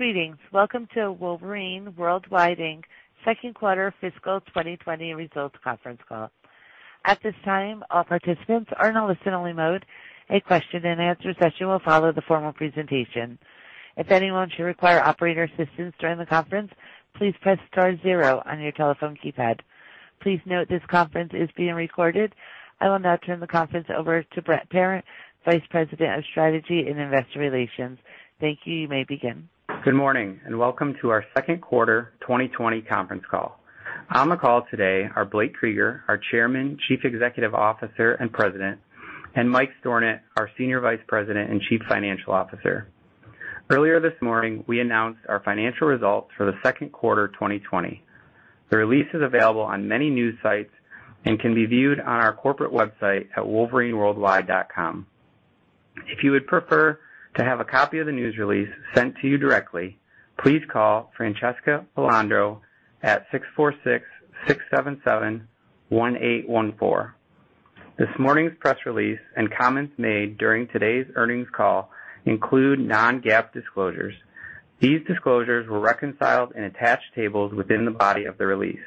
Greetings. Welcome to Wolverine World Wide, Inc.'s second quarter fiscal 2020 results conference call. At this time, all participants are in a listen-only mode. A question-and-answer session will follow the formal presentation. If anyone should require operator assistance during the conference, please press star zero on your telephone keypad. Please note this conference is being recorded. I will now turn the conference over to Brent Parent, Vice President of Strategy and Investor Relations. Thank you. You may begin. Good morning, and welcome to our second quarter 2020 conference call. On the call today are Blake Krueger, our Chairman, Chief Executive Officer, and President, and Mike Stornant, our Senior Vice President and Chief Financial Officer. Earlier this morning, we announced our financial results for the second quarter of 2020. The release is available on many news sites and can be viewed on our corporate website at wolverineworldwide.com. If you would prefer to have a copy of the news release sent to you directly, please call Francesca LaLanne at 646-677-1814. This morning's press release and comments made during today's earnings call include non-GAAP disclosures. These disclosures were reconciled in attached tables within the body of the release.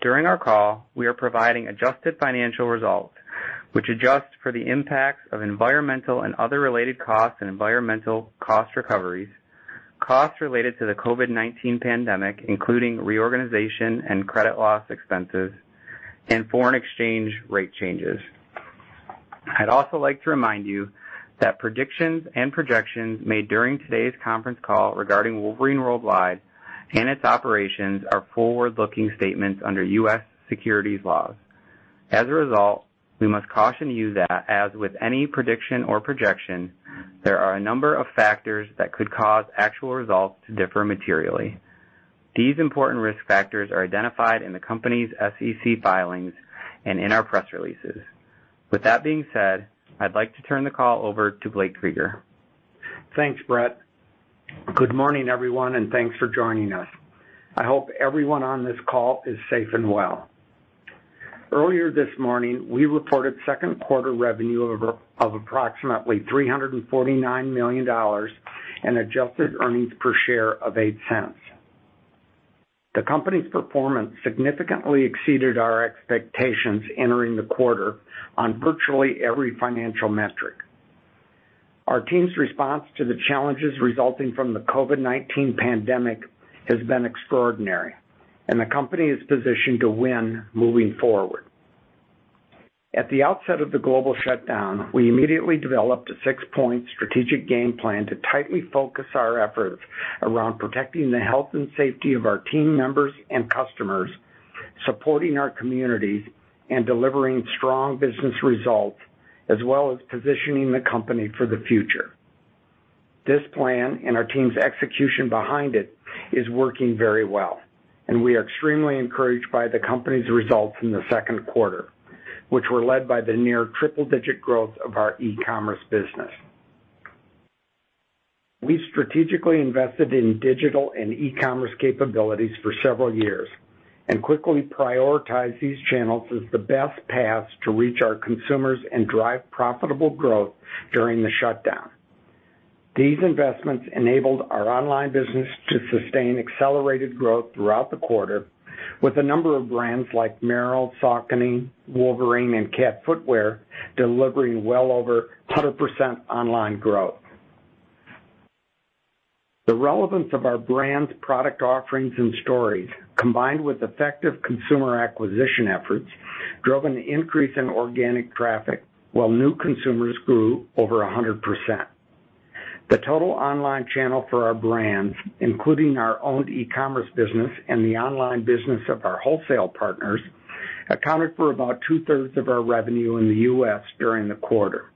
During our call, we are providing adjusted financial results, which adjust for the impacts of environmental and other related costs and environmental cost recoveries, costs related to the COVID-19 pandemic, including reorganization and credit loss expenses, and foreign exchange rate changes. I'd also like to remind you that predictions and projections made during today's conference call regarding Wolverine Worldwide and its operations are forward-looking statements under U.S. securities laws. As a result, we must caution you that, as with any prediction or projection, there are a number of factors that could cause actual results to differ materially. These important risk factors are identified in the company's SEC filings and in our press releases. With that being said, I'd like to turn the call over to Blake Krueger. Thanks, Brent. Good morning, everyone, and thanks for joining us. I hope everyone on this call is safe and well. Earlier this morning, we reported second quarter revenue of approximately $349 million and adjusted earnings per share of $0.08. The company's performance significantly exceeded our expectations entering the quarter on virtually every financial metric. Our team's response to the challenges resulting from the COVID-19 pandemic has been extraordinary, and the company is positioned to win moving forward. At the outset of the global shutdown, we immediately developed a six-point strategic game plan to tightly focus our efforts around protecting the health and safety of our team members and customers, supporting our communities, and delivering strong business results, as well as positioning the company for the future. This plan and our team's execution behind it is working very well, and we are extremely encouraged by the company's results in the second quarter, which were led by the near triple-digit growth of our e-commerce business. We've strategically invested in digital and e-commerce capabilities for several years and quickly prioritized these channels as the best path to reach our consumers and drive profitable growth during the shutdown. These investments enabled our online business to sustain accelerated growth throughout the quarter, with a number of brands like Merrell, Saucony, Wolverine, and Cat Footwear delivering well over 100% online growth. The relevance of our brands, product offerings, and stories, combined with effective consumer acquisition efforts, drove an increase in organic traffic, while new consumers grew over 100%. The total online channel for our brands, including our own e-commerce business and the online business of our wholesale partners, accounted for about two-thirds of our revenue in the U.S. during the quarter.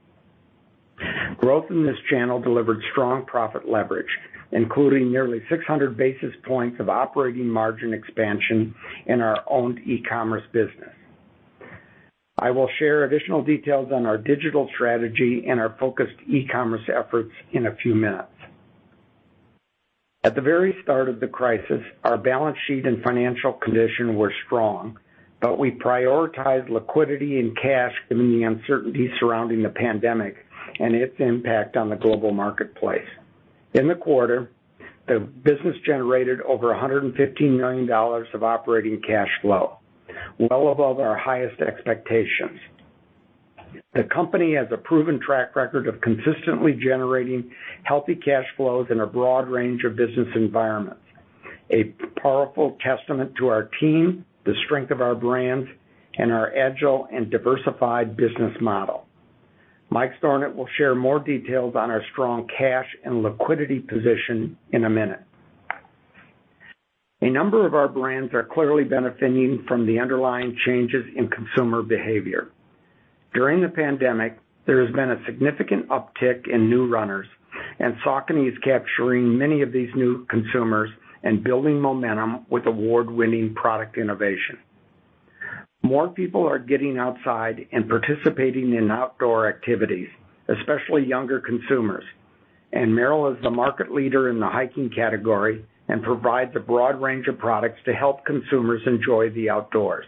Growth in this channel delivered strong profit leverage, including nearly 600 basis points of operating margin expansion in our own e-commerce business. I will share additional details on our digital strategy and our focused e-commerce efforts in a few minutes. At the very start of the crisis, our balance sheet and financial condition were strong, but we prioritized liquidity and cash given the uncertainty surrounding the pandemic and its impact on the global marketplace. In the quarter, the business generated over $115 million of operating cash flow, well above our highest expectations. The company has a proven track record of consistently generating healthy cash flows in a broad range of business environments, a powerful testament to our team, the strength of our brands, and our agile and diversified business model. Mike Stornant will share more details on our strong cash and liquidity position in a minute. A number of our brands are clearly benefiting from the underlying changes in consumer behavior. During the pandemic, there has been a significant uptick in new runners, and Saucony is capturing many of these new consumers and building momentum with award-winning product innovation. More people are getting outside and participating in outdoor activities, especially younger consumers, and Merrell is the market leader in the hiking category and provides a broad range of products to help consumers enjoy the outdoors....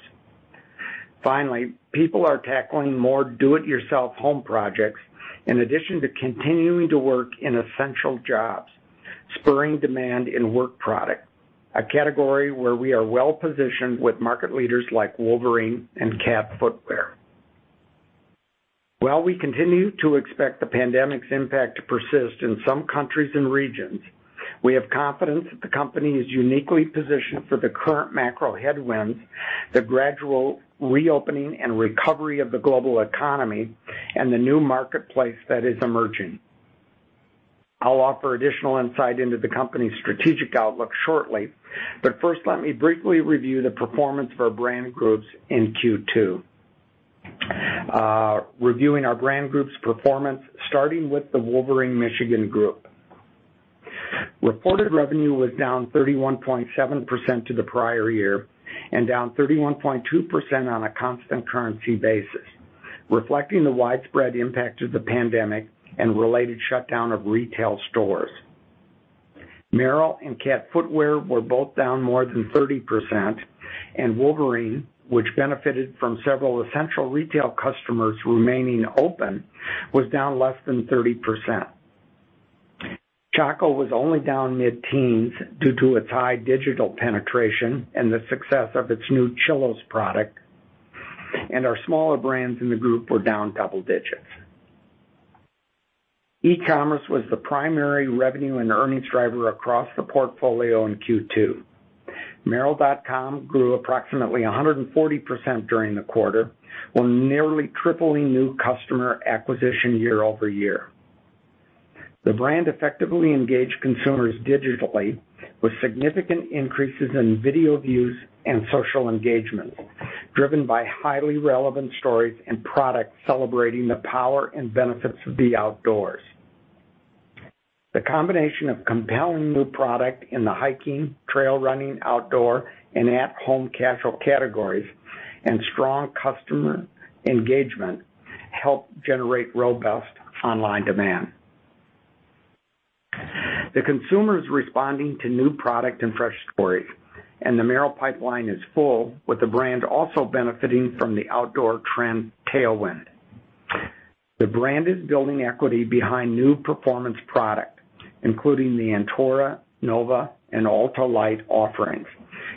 Finally, people are tackling more do-it-yourself home projects, in addition to continuing to work in essential jobs, spurring demand in work product, a category where we are well-positioned with market leaders like Wolverine and Cat Footwear. While we continue to expect the pandemic's impact to persist in some countries and regions, we have confidence that the company is uniquely positioned for the current macro headwinds, the gradual reopening and recovery of the global economy, and the new marketplace that is emerging. I'll offer additional insight into the company's strategic outlook shortly, but first, let me briefly review the performance of our brand groups in Q2. Reviewing our brand group's performance, starting with the Wolverine Michigan Group. Reported revenue was down 31.7% to the prior year and down 31.2% on a constant currency basis, reflecting the widespread impact of the pandemic and related shutdown of retail stores. Merrell and Cat Footwear were both down more than 30%, and Wolverine, which benefited from several essential retail customers remaining open, was down less than 30%. Chaco was only down mid-teens due to its high digital penetration and the success of its new Chillos product, and our smaller brands in the group were down double digits. E-commerce was the primary revenue and earnings driver across the portfolio in Q2. Merrell.com grew approximately 140% during the quarter, while nearly tripling new customer acquisition year-over-year. The brand effectively engaged consumers digitally, with significant increases in video views and social engagement, driven by highly relevant stories and products celebrating the power and benefits of the outdoors. The combination of compelling new product in the hiking, trail running, outdoor, and at-home casual categories and strong customer engagement helped generate robust online demand. The consumer is responding to new product and fresh stories, and the Merrell pipeline is full, with the brand also benefiting from the outdoor trend tailwind. The brand is building equity behind new performance product, including the Antora, Nova, and Altalight offerings,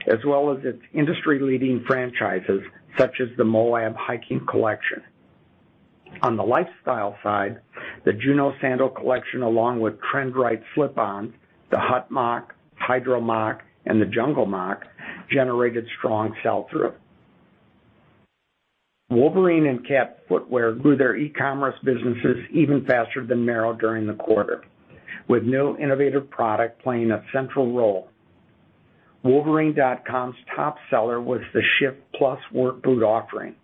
as well as its industry-leading franchises, such as the Moab Hiking Collection. On the lifestyle side, the Juno Sandal collection, along with trend right slip-on, the Hut Moc, Hydro Moc, and the Jungle Moc generated strong sell-through. Wolverine and Cat Footwear grew their e-commerce businesses even faster than Merrell during the quarter, with new innovative product playing a central role. Wolverine.com's top seller was the ShiftPlus work boot offering,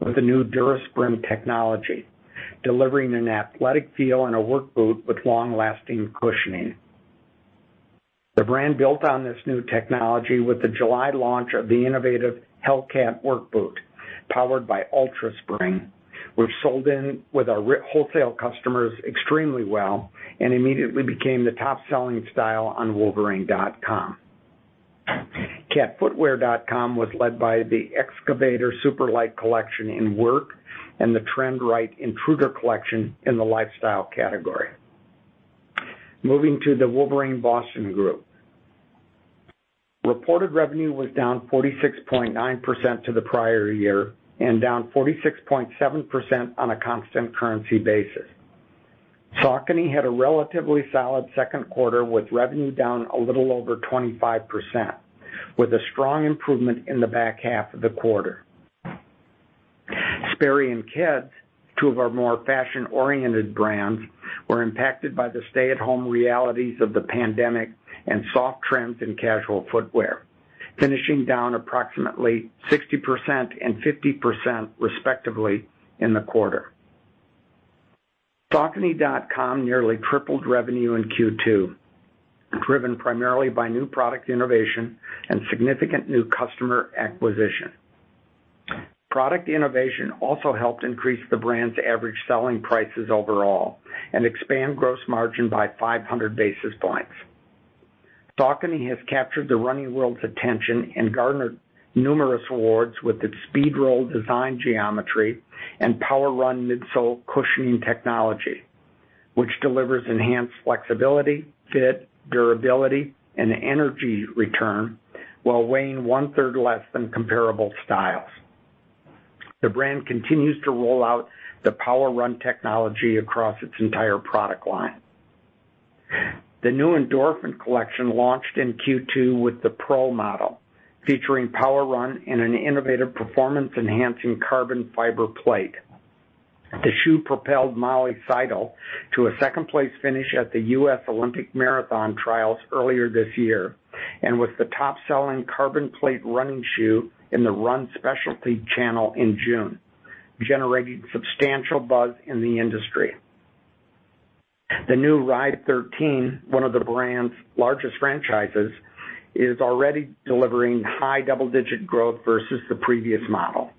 with the new DuraSpring technology, delivering an athletic feel and a work boot with long-lasting cushioning. The brand built on this new technology with the July launch of the innovative Hellcat work boot, powered by UltraSpring, which sold in with our wholesale customers extremely well and immediately became the top-selling style on wolverine.com. Catfootwear.com was led by the Excavator Superlite collection in work and the trend-right Intruder collection in the lifestyle category. Moving to the Wolverine Boston Group. Reported revenue was down 46.9% to the prior year and down 46.7% on a constant currency basis. Saucony had a relatively solid second quarter, with revenue down a little over 25%, with a strong improvement in the back half of the quarter. Sperry and Keds, two of our more fashion-oriented brands, were impacted by the stay-at-home realities of the pandemic and soft trends in casual footwear, finishing down approximately 60% and 50%, respectively, in the quarter. Saucony.com nearly tripled revenue in Q2, driven primarily by new product innovation and significant new customer acquisition. Product innovation also helped increase the brand's average selling prices overall and expand gross margin by 500 basis points. Saucony has captured the running world's attention and garnered numerous awards with its SPEEDROLL design geometry and PWRRUN midsole cushioning technology, which delivers enhanced flexibility, fit, durability, and energy return while weighing one third less than comparable styles. The brand continues to roll out the Power Run technology across its entire product line. The new Endorphin Collection launched in Q2 with the Pro model, featuring Power Run and an innovative performance-enhancing carbon fiber plate. The shoe propelled Molly Seidel to a second-place finish at the U.S. Olympic Marathon trials earlier this year, and was the top-selling carbon plate running shoe in the run specialty channel in June, generating substantial buzz in the industry. The new Ride 13, one of the brand's largest franchises, is already delivering high double-digit growth versus the previous model.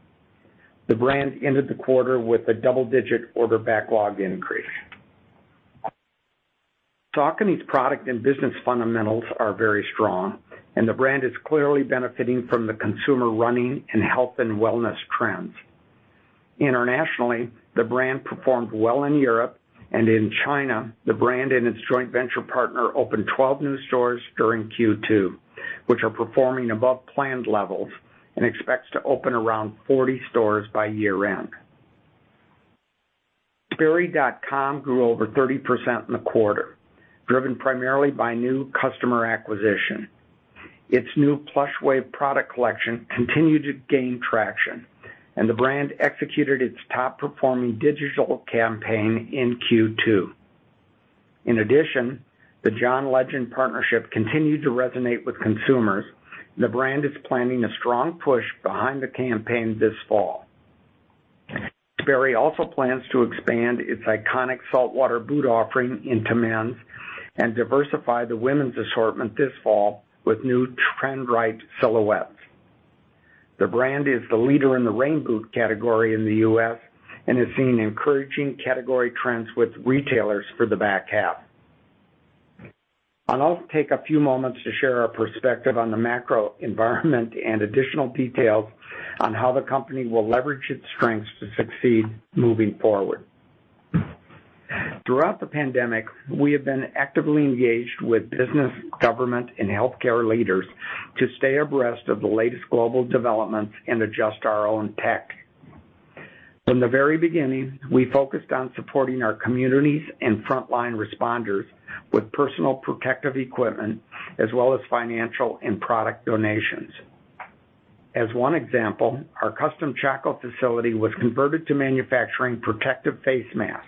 The brand ended the quarter with a double-digit order backlog increase. Saucony's product and business fundamentals are very strong, and the brand is clearly benefiting from the consumer running and health and wellness trends. Internationally, the brand performed well in Europe, and in China, the brand and its joint venture partner opened 12 new stores during Q2, which are performing above planned levels and expects to open around 40 stores by year-end. Sperry.com grew over 30% in the quarter, driven primarily by new customer acquisition. Its new Plushwave product collection continued to gain traction, and the brand executed its top-performing digital campaign in Q2. In addition, the John Legend partnership continued to resonate with consumers. The brand is planning a strong push behind the campaign this fall. Sperry also plans to expand its iconic Saltwater boot offering into men's and diversify the women's assortment this fall with new trend-right silhouettes. The brand is the leader in the rain boot category in the U.S. and is seeing encouraging category trends with retailers for the back half. I'll also take a few moments to share our perspective on the macro environment and additional details on how the company will leverage its strengths to succeed moving forward. Throughout the pandemic, we have been actively engaged with business, government, and healthcare leaders to stay abreast of the latest global developments and adjust our own tech. From the very beginning, we focused on supporting our communities and frontline responders with personal protective equipment, as well as financial and product donations. As one example, our custom Chaco facility was converted to manufacturing protective face masks,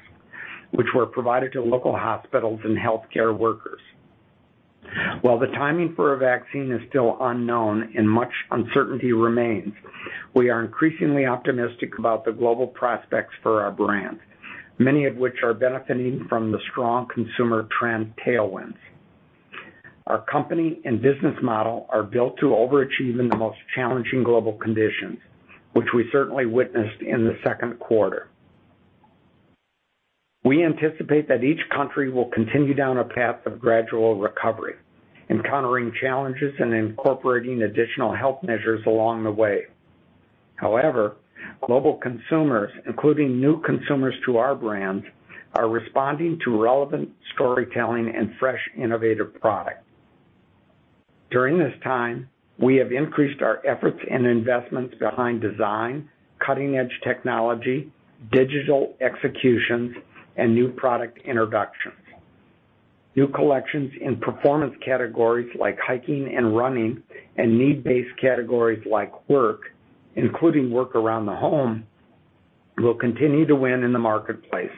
which were provided to local hospitals and healthcare workers. While the timing for a vaccine is still unknown and much uncertainty remains, we are increasingly optimistic about the global prospects for our brands, many of which are benefiting from the strong consumer trend tailwinds. Our company and business model are built to overachieve in the most challenging global conditions, which we certainly witnessed in the second quarter. We anticipate that each country will continue down a path of gradual recovery, encountering challenges and incorporating additional health measures along the way. However, global consumers, including new consumers to our brands, are responding to relevant storytelling and fresh, innovative product. During this time, we have increased our efforts and investments behind design, cutting-edge technology, digital executions, and new product introductions. New collections in performance categories like hiking and running, and need-based categories like work, including work around the home, will continue to win in the marketplace,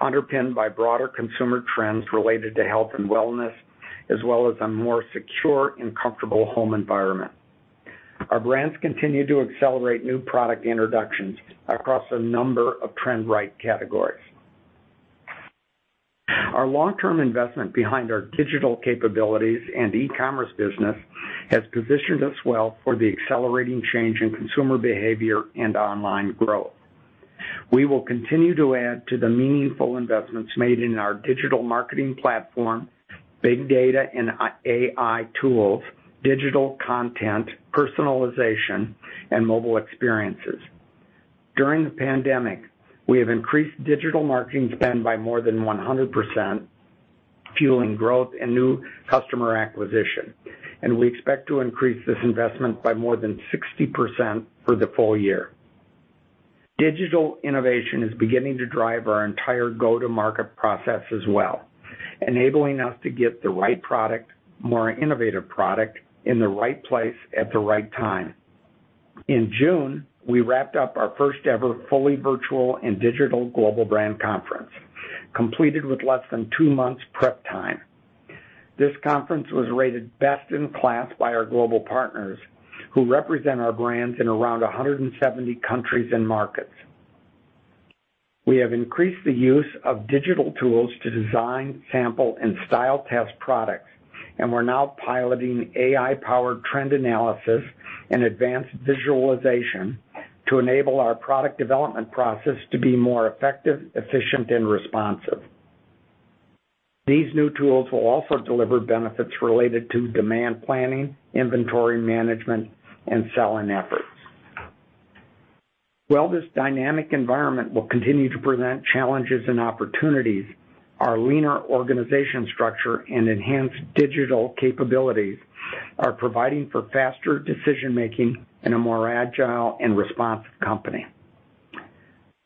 underpinned by broader consumer trends related to health and wellness, as well as a more secure and comfortable home environment. Our brands continue to accelerate new product introductions across a number of trend-right categories. Our long-term investment behind our digital capabilities and e-commerce business has positioned us well for the accelerating change in consumer behavior and online growth. We will continue to add to the meaningful investments made in our digital marketing platform, big data and AI tools, digital content, personalization, and mobile experiences. During the pandemic, we have increased digital marketing spend by more than 100%, fueling growth and new customer acquisition, and we expect to increase this investment by more than 60% for the full year. Digital innovation is beginning to drive our entire go-to-market process as well, enabling us to get the right product, more innovative product, in the right place at the right time. In June, we wrapped up our first-ever fully virtual and digital global brand conference, completed with less than 2 months' prep time. This conference was rated best in class by our global partners, who represent our brands in around 170 countries and markets. We have increased the use of digital tools to design, sample, and style test products, and we're now piloting AI-powered trend analysis and advanced visualization to enable our product development process to be more effective, efficient, and responsive. These new tools will also deliver benefits related to demand planning, inventory management, and selling efforts. While this dynamic environment will continue to present challenges and opportunities, our leaner organization structure and enhanced digital capabilities are providing for faster decision-making and a more agile and responsive company.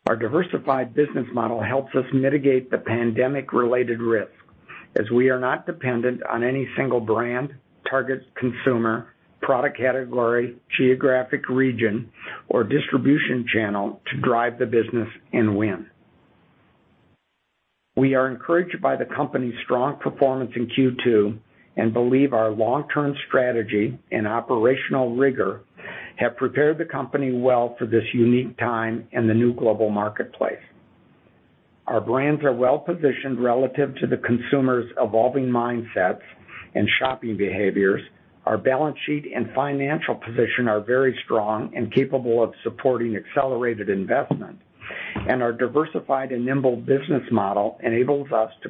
Our diversified business model helps us mitigate the pandemic-related risk, as we are not dependent on any single brand, target consumer, product category, geographic region, or distribution channel to drive the business and win. We are encouraged by the company's strong performance in Q2 and believe our long-term strategy and operational rigor have prepared the company well for this unique time in the new global marketplace. Our brands are well-positioned relative to the consumers' evolving mindsets and shopping behaviors. Our balance sheet and financial position are very strong and capable of supporting accelerated investment... and our diversified and nimble business model enables us to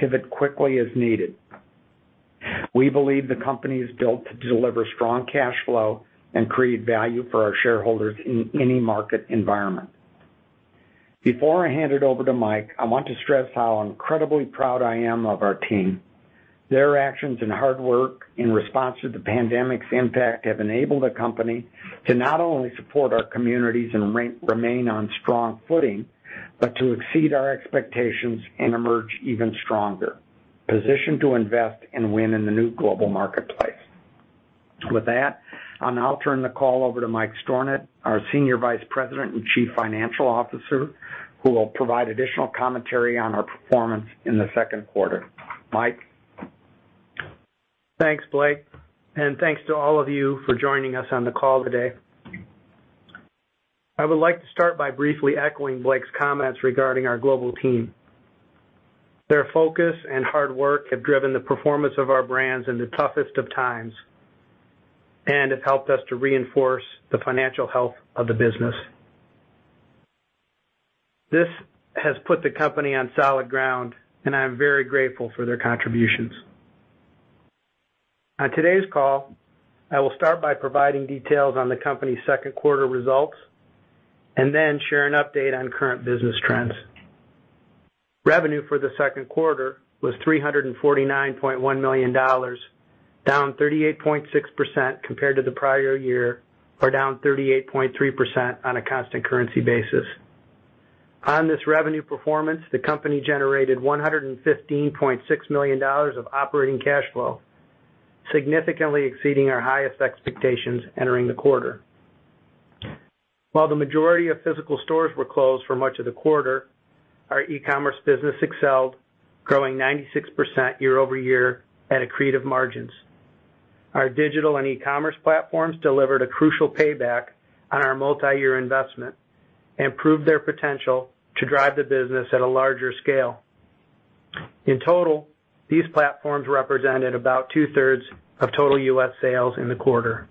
pivot quickly as needed. We believe the company is built to deliver strong cash flow and create value for our shareholders in any market environment. Before I hand it over to Mike, I want to stress how incredibly proud I am of our team. Their actions and hard work in response to the pandemic's impact have enabled the company to not only support our communities and remain on strong footing, but to exceed our expectations and emerge even stronger, positioned to invest and win in the new global marketplace. With that, I'll now turn the call over to Mike Stornant, our Senior Vice President and Chief Financial Officer, who will provide additional commentary on our performance in the second quarter. Mike? Thanks, Blake, and thanks to all of you for joining us on the call today. I would like to start by briefly echoing Blake's comments regarding our global team. Their focus and hard work have driven the performance of our brands in the toughest of times, and have helped us to reinforce the financial health of the business. This has put the company on solid ground, and I'm very grateful for their contributions. On today's call, I will start by providing details on the company's second quarter results, and then share an update on current business trends. Revenue for the second quarter was $349.1 million, down 38.6% compared to the prior year, or down 38.3% on a constant currency basis. On this revenue performance, the company generated $115.6 million of operating cash flow, significantly exceeding our highest expectations entering the quarter. While the majority of physical stores were closed for much of the quarter, our e-commerce business excelled, growing 96% year-over-year at accretive margins. Our digital and e-commerce platforms delivered a crucial payback on our multiyear investment and proved their potential to drive the business at a larger scale. In total, these platforms represented about two-thirds of total U.S. sales in the quarter.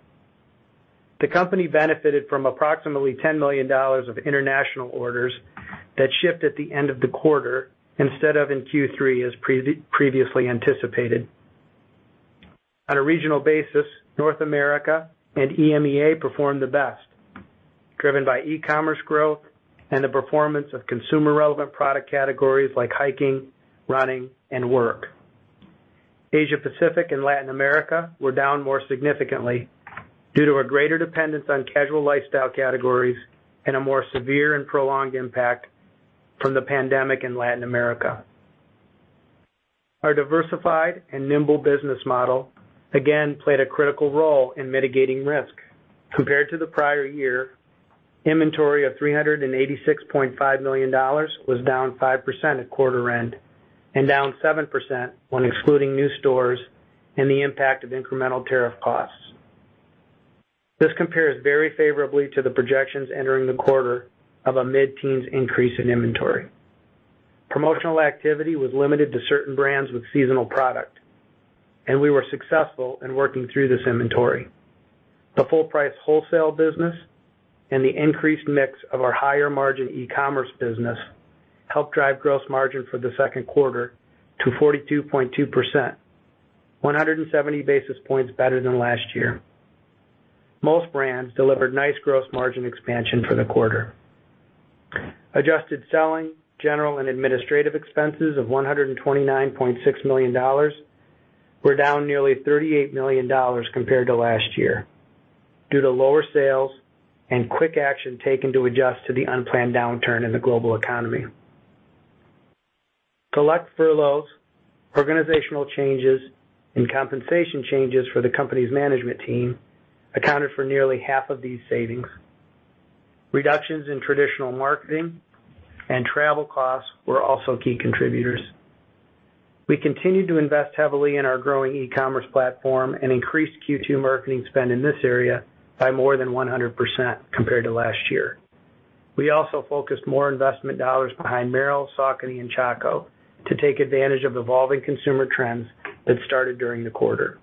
The company benefited from approximately $10 million of international orders that shipped at the end of the quarter instead of in Q3, as previously anticipated. On a regional basis, North America and EMEA performed the best, driven by e-commerce growth and the performance of consumer-relevant product categories like hiking, running, and work. Asia Pacific and Latin America were down more significantly due to a greater dependence on casual lifestyle categories and a more severe and prolonged impact from the pandemic in Latin America. Our diversified and nimble business model again played a critical role in mitigating risk. Compared to the prior year, inventory of $386.5 million was down 5% at quarter end, and down 7% when excluding new stores and the impact of incremental tariff costs. This compares very favorably to the projections entering the quarter of a mid-teens increase in inventory. Promotional activity was limited to certain brands with seasonal product, and we were successful in working through this inventory. The full-price wholesale business and the increased mix of our higher-margin e-commerce business helped drive gross margin for the second quarter to 42.2%, 170 basis points better than last year. Most brands delivered nice gross margin expansion for the quarter. Adjusted selling, general, and administrative expenses of $129.6 million were down nearly $38 million compared to last year due to lower sales and quick action taken to adjust to the unplanned downturn in the global economy. Select furloughs, organizational changes, and compensation changes for the company's management team accounted for nearly half of these savings. Reductions in traditional marketing and travel costs were also key contributors. We continued to invest heavily in our growing e-commerce platform and increased Q2 marketing spend in this area by more than 100% compared to last year. We also focused more investment dollars behind Merrell, Saucony, and Chaco to take advantage of evolving consumer trends that started during the quarter.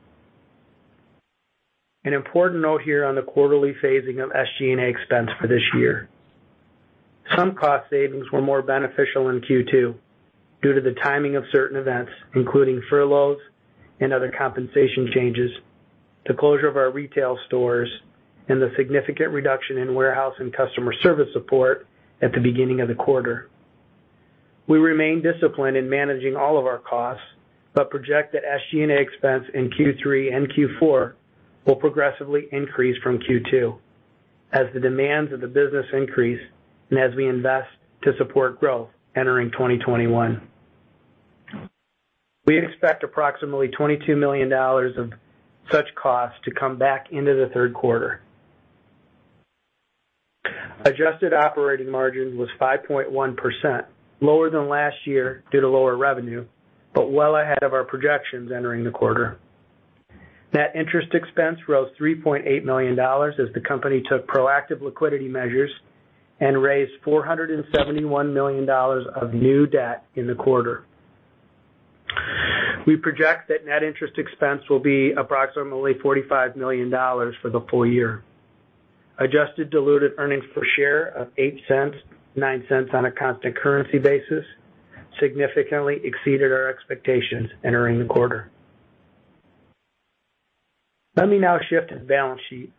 An important note here on the quarterly phasing of SG&A expense for this year. Some cost savings were more beneficial in Q2 due to the timing of certain events, including furloughs and other compensation changes, the closure of our retail stores, and the significant reduction in warehouse and customer service support at the beginning of the quarter. We remain disciplined in managing all of our costs, but project that SG&A expense in Q3 and Q4 will progressively increase from Q2 as the demands of the business increase and as we invest to support growth entering 2021. We expect approximately $22 million of such costs to come back into the third quarter. Adjusted operating margin was 5.1%, lower than last year due to lower revenue, but well ahead of our projections entering the quarter. Net interest expense rose $3.8 million as the company took proactive liquidity measures and raised $471 million of new debt in the quarter. We project that net interest expense will be approximately $45 million for the full year. Adjusted diluted earnings per share of $0.08, $0.09 on a constant currency basis, significantly exceeded our expectations entering the quarter. Let me now shift to the balance sheet.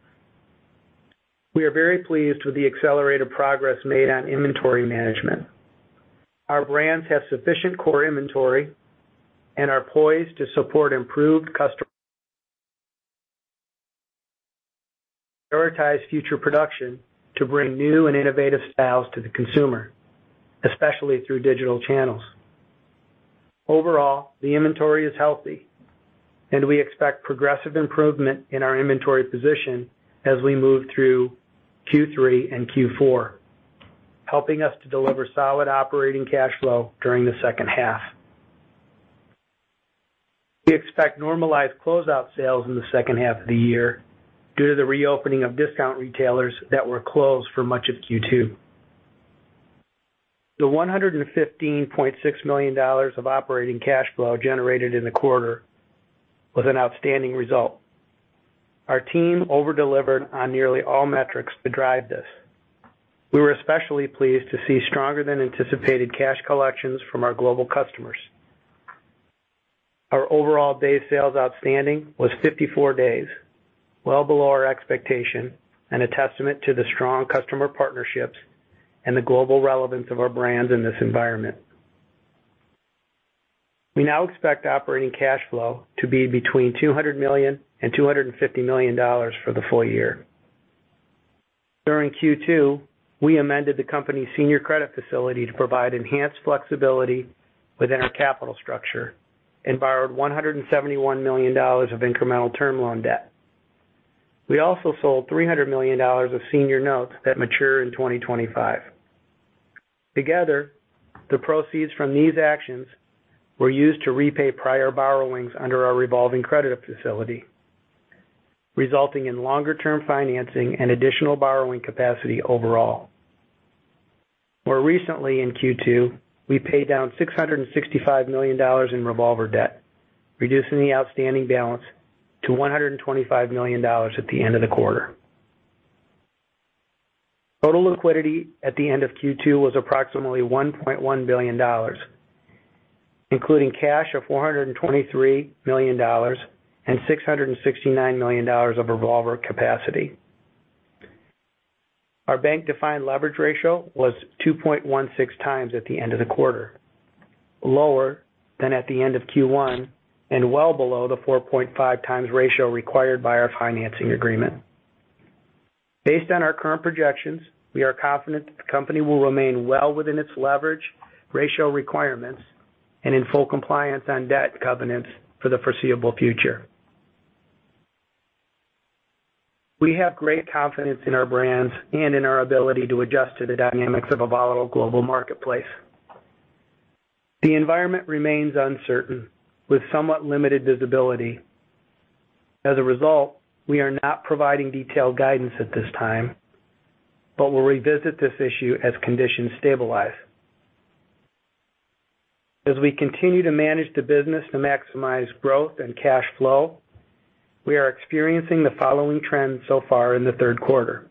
We are very pleased with the accelerated progress made on inventory management. Our brands have sufficient core inventory and are poised to support improved customer, prioritize future production to bring new and innovative styles to the consumer, especially through digital channels. Overall, the inventory is healthy, and we expect progressive improvement in our inventory position as we move through Q3 and Q4, helping us to deliver solid operating cash flow during the second half. We expect normalized closeout sales in the second half of the year due to the reopening of discount retailers that were closed for much of Q2. The $115.6 million of operating cash flow generated in the quarter was an outstanding result. Our team over-delivered on nearly all metrics to drive this. We were especially pleased to see stronger than anticipated cash collections from our global customers. Our overall day sales outstanding was 54 days, well below our expectation and a testament to the strong customer partnerships and the global relevance of our brands in this environment. We now expect operating cash flow to be between $200 million and $250 million dollars for the full year. During Q2, we amended the company's senior credit facility to provide enhanced flexibility within our capital structure and borrowed $171 million dollars of incremental term loan debt. We also sold $300 million dollars of senior notes that mature in 2025. Together, the proceeds from these actions were used to repay prior borrowings under our revolving credit facility, resulting in longer-term financing and additional borrowing capacity overall. More recently, in Q2, we paid down $665 million dollars in revolver debt, reducing the outstanding balance to $125 million dollars at the end of the quarter. Total liquidity at the end of Q2 was approximately $1.1 billion, including cash of $423 million and $669 million of revolver capacity. Our bank-defined leverage ratio was 2.16 times at the end of the quarter, lower than at the end of Q1, and well below the 4.5 times ratio required by our financing agreement. Based on our current projections, we are confident that the company will remain well within its leverage ratio requirements and in full compliance on debt covenants for the foreseeable future. We have great confidence in our brands and in our ability to adjust to the dynamics of a volatile global marketplace. The environment remains uncertain, with somewhat limited visibility. As a result, we are not providing detailed guidance at this time, but we'll revisit this issue as conditions stabilize. As we continue to manage the business to maximize growth and cash flow, we are experiencing the following trends so far in the third quarter.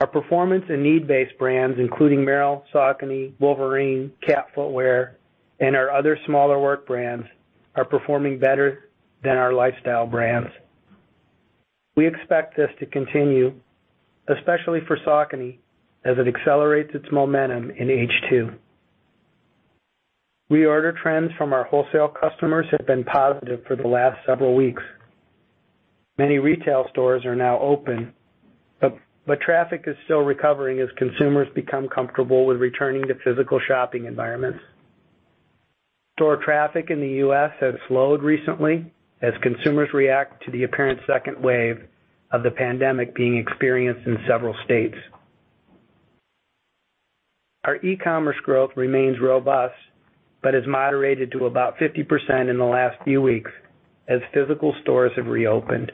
Our performance and need-based brands, including Merrell, Saucony, Wolverine, Cat Footwear, and our other smaller work brands, are performing better than our lifestyle brands. We expect this to continue, especially for Saucony, as it accelerates its momentum in H2. Reorder trends from our wholesale customers have been positive for the last several weeks. Many retail stores are now open, but traffic is still recovering as consumers become comfortable with returning to physical shopping environments. Store traffic in the U.S. has slowed recently as consumers react to the apparent second wave of the pandemic being experienced in several states. Our e-commerce growth remains robust, but has moderated to about 50% in the last few weeks as physical stores have reopened.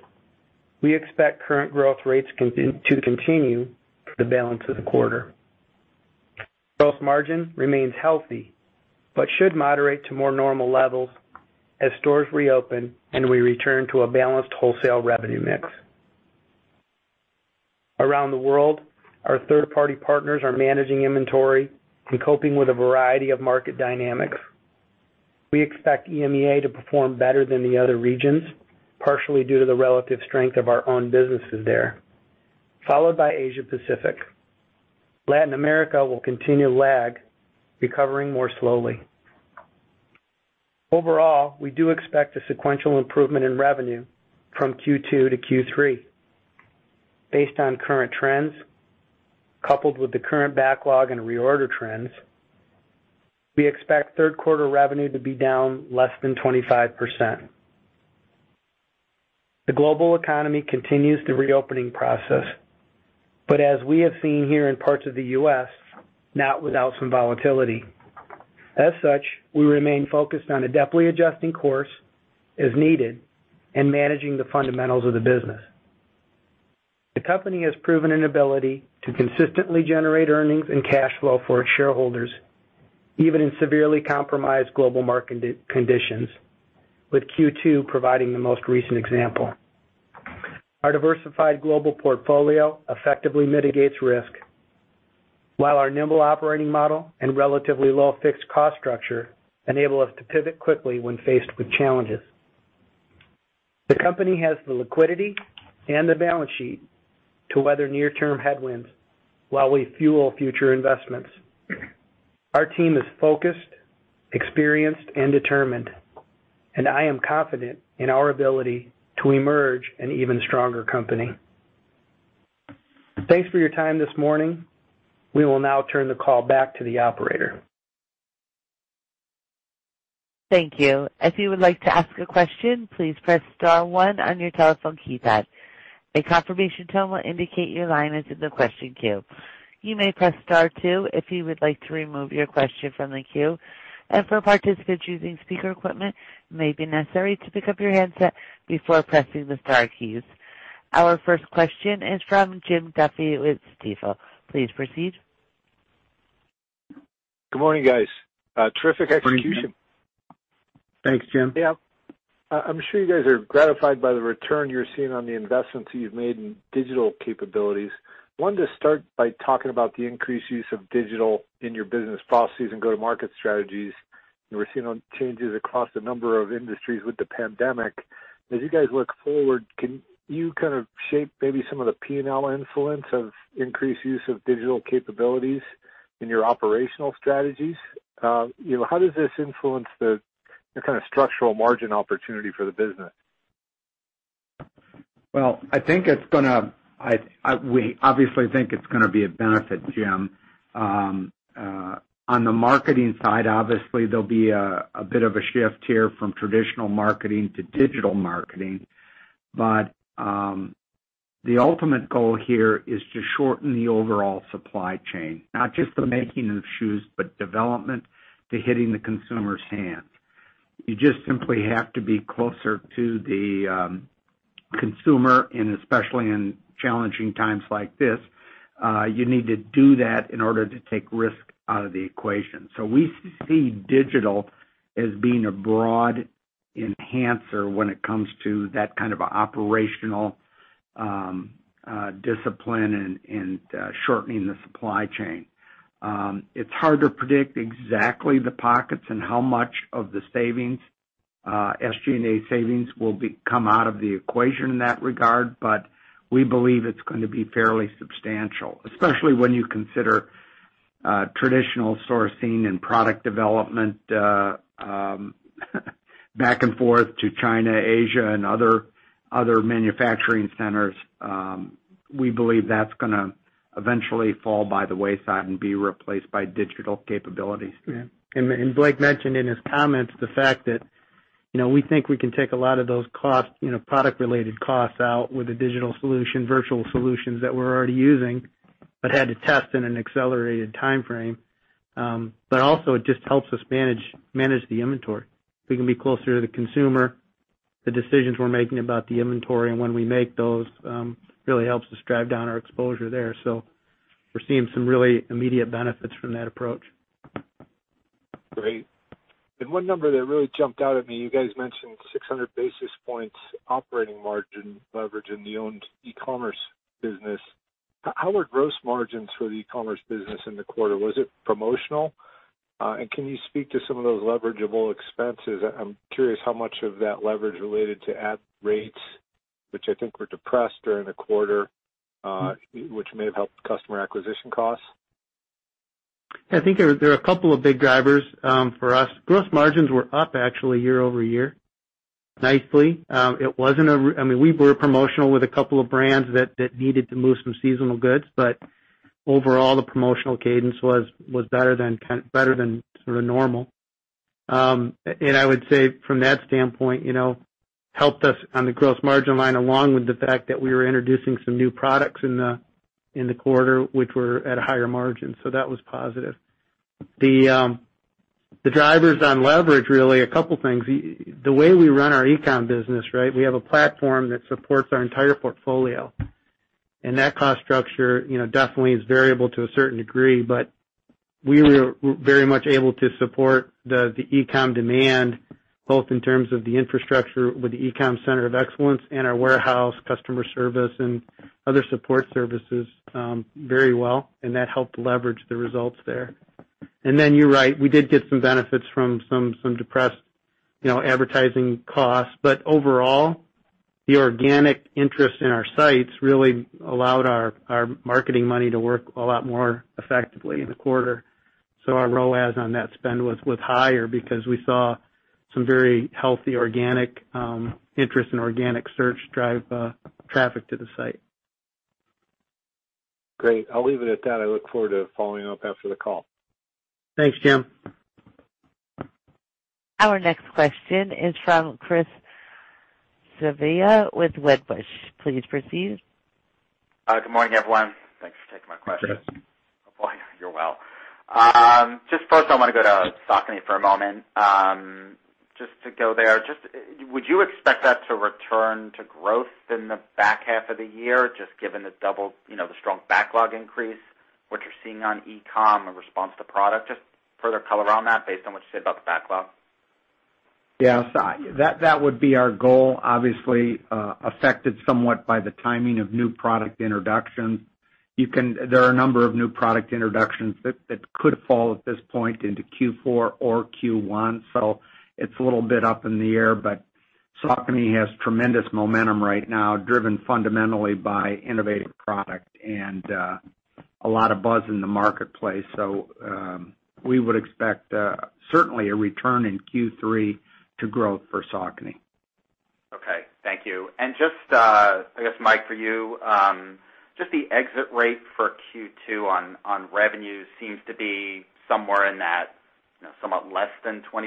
We expect current growth rates to continue for the balance of the quarter. Gross margin remains healthy, but should moderate to more normal levels as stores reopen and we return to a balanced wholesale revenue mix. Around the world, our third-party partners are managing inventory and coping with a variety of market dynamics. We expect EMEA to perform better than the other regions, partially due to the relative strength of our own businesses there, followed by Asia Pacific. Latin America will continue to lag, recovering more slowly. Overall, we do expect a sequential improvement in revenue from Q2 to Q3. Based on current trends, coupled with the current backlog and reorder trends, we expect third quarter revenue to be down less than 25%. The global economy continues the reopening process, but as we have seen here in parts of the U.S., not without some volatility. As such, we remain focused on adeptly adjusting course as needed and managing the fundamentals of the business. The company has proven an ability to consistently generate earnings and cash flow for its shareholders, even in severely compromised global market conditions, with Q2 providing the most recent example. Our diversified global portfolio effectively mitigates risk, while our nimble operating model and relatively low fixed cost structure enable us to pivot quickly when faced with challenges. The company has the liquidity and the balance sheet to weather near-term headwinds while we fuel future investments. Our team is focused, experienced and determined, and I am confident in our ability to emerge an even stronger company. Thanks for your time this morning. We will now turn the call back to the operator. Thank you. If you would like to ask a question, please press star one on your telephone keypad. A confirmation tone will indicate your line is in the question queue. You may press star two if you would like to remove your question from the queue. And for participants using speaker equipment, it may be necessary to pick up your handset before pressing the star keys. Our first question is from Jim Duffy with Stifel. Please proceed. Good morning, guys. Terrific execution. Thanks, Jim. Yeah. I'm sure you guys are gratified by the return you're seeing on the investments that you've made in digital capabilities. Wanted to start by talking about the increased use of digital in your business processes and go-to-market strategies. And we're seeing some changes across a number of industries with the pandemic. As you guys look forward, can you kind of shape maybe some of the P&L influence of increased use of digital capabilities in your operational strategies? You know, how does this influence the kind of structural margin opportunity for the business? Well, I think it's gonna be a benefit, Jim. On the marketing side, obviously, there'll be a bit of a shift here from traditional marketing to digital marketing, but the ultimate goal here is to shorten the overall supply chain, not just the making of shoes, but development to hitting the consumer's hands. You just simply have to be closer to the consumer, and especially in challenging times like this, you need to do that in order to take risk out of the equation. So we see digital as being a broad enhancer when it comes to that kind of operational discipline and shortening the supply chain. It's hard to predict exactly the pockets and how much of the savings, SG&A savings will become out of the equation in that regard, but we believe it's going to be fairly substantial, especially when you consider traditional sourcing and product development, back and forth to China, Asia, and other manufacturing centers. We believe that's gonna eventually fall by the wayside and be replaced by digital capabilities. Yeah. And Blake mentioned in his comments the fact that, you know, we think we can take a lot of those costs, you know, product-related costs out with the digital solution, virtual solutions that we're already using, but had to test in an accelerated timeframe. But also, it just helps us manage the inventory. We can be closer to the consumer. The decisions we're making about the inventory and when we make those really helps us drive down our exposure there. So we're seeing some really immediate benefits from that approach. Great. One number that really jumped out at me, you guys mentioned 600 basis points operating margin leverage in the owned e-commerce business. How were gross margins for the e-commerce business in the quarter? Was it promotional? And can you speak to some of those leverageable expenses? I'm curious how much of that leverage related to ad rates, which I think were depressed during the quarter, which may have helped customer acquisition costs. I think there are a couple of big drivers for us. Gross margins were up actually year over year, nicely. It wasn't a—I mean, we were promotional with a couple of brands that needed to move some seasonal goods, but overall, the promotional cadence was better than sort of normal. And I would say from that standpoint, you know, helped us on the gross margin line, along with the fact that we were introducing some new products in the quarter, which were at a higher margin. So that was positive. The drivers on leverage, really a couple things. The way we run our e-com business, right? We have a platform that supports our entire portfolio, and that cost structure, you know, definitely is variable to a certain degree, but we were very much able to support the e-com demand, both in terms of the infrastructure with the e-com center of excellence and our warehouse, customer service, and other support services very well, and that helped leverage the results there. And then, you're right, we did get some benefits from some depressed, you know, advertising costs. But overall, the organic interest in our sites really allowed our marketing money to work a lot more effectively in the quarter. So our ROAS on that spend was higher because we saw some very healthy organic interest and organic search drive traffic to the site. Great. I'll leave it at that. I look forward to following up after the call. Thanks, Jim. Our next question is from Chris Svezia with Wedbush. Please proceed. Good morning, everyone. Thanks for taking my question. Well, just first, I wanna go to Saucony for a moment. Just to go there, just, would you expect that to return to growth in the back half of the year, just given the double, you know, the strong backlog increase, what you're seeing on e-com in response to product? Just further color on that based on what you said about the backlog. Yeah. So that would be our goal, obviously, affected somewhat by the timing of new product introductions. There are a number of new product introductions that could fall at this point into Q4 or Q1, so it's a little bit up in the air. But Saucony has tremendous momentum right now, driven fundamentally by innovative product and a lot of buzz in the marketplace. So we would expect certainly a return in Q3 to growth for Saucony. Okay. Thank you. And just, I guess, Mike, for you, just the exit rate for Q2 on, on revenues seems to be somewhere in that, you know, somewhat less than 25%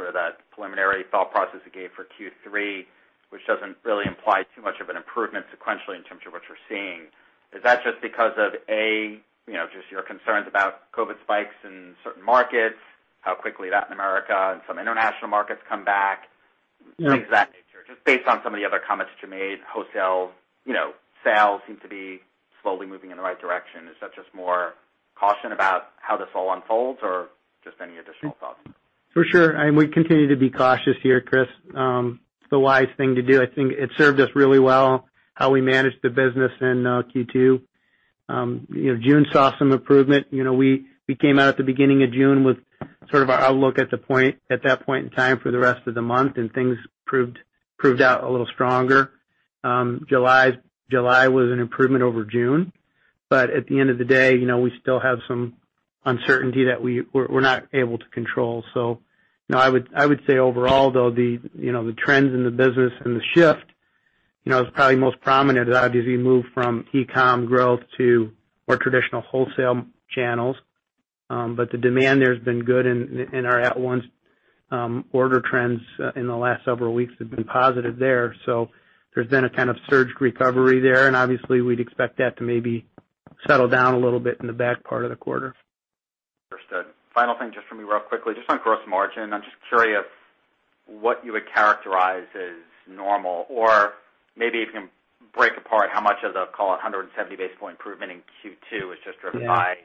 or that preliminary thought process you gave for Q3, which doesn't really imply too much of an improvement sequentially in terms of what you're seeing. Is that just because of, A, you know, just your concerns about COVID spikes in certain markets, how quickly Latin America and some international markets come back? Yeah. Things of that nature, just based on some of the other comments you made, wholesale, you know, sales seem to be slowly moving in the right direction. Is that just more caution about how this all unfolds or just any additional thoughts? For sure, and we continue to be cautious here, Chris. It's the wise thing to do. I think it served us really well, how we managed the business in Q2. You know, June saw some improvement. You know, we, we came out at the beginning of June with sort of our outlook at the point—at that point in time for the rest of the month, and things proved, proved out a little stronger. July, July was an improvement over June, but at the end of the day, you know, we still have some uncertainty that we, we're, we're not able to control. So, you know, I would, I would say overall, though, the, you know, the trends in the business and the shift, you know, is probably most prominent as obviously move from e-com growth to more traditional wholesale channels. But the demand there has been good in our at once order trends in the last several weeks have been positive there. So there's been a kind of surge recovery there, and obviously, we'd expect that to maybe settle down a little bit in the back part of the quarter. Understood. Final thing, just for me, real quickly, just on gross margin. I'm just curious what you would characterize as normal, or maybe if you can break apart how much of the, call it, 170 basis points improvement in Q2 is just driven- Yeah By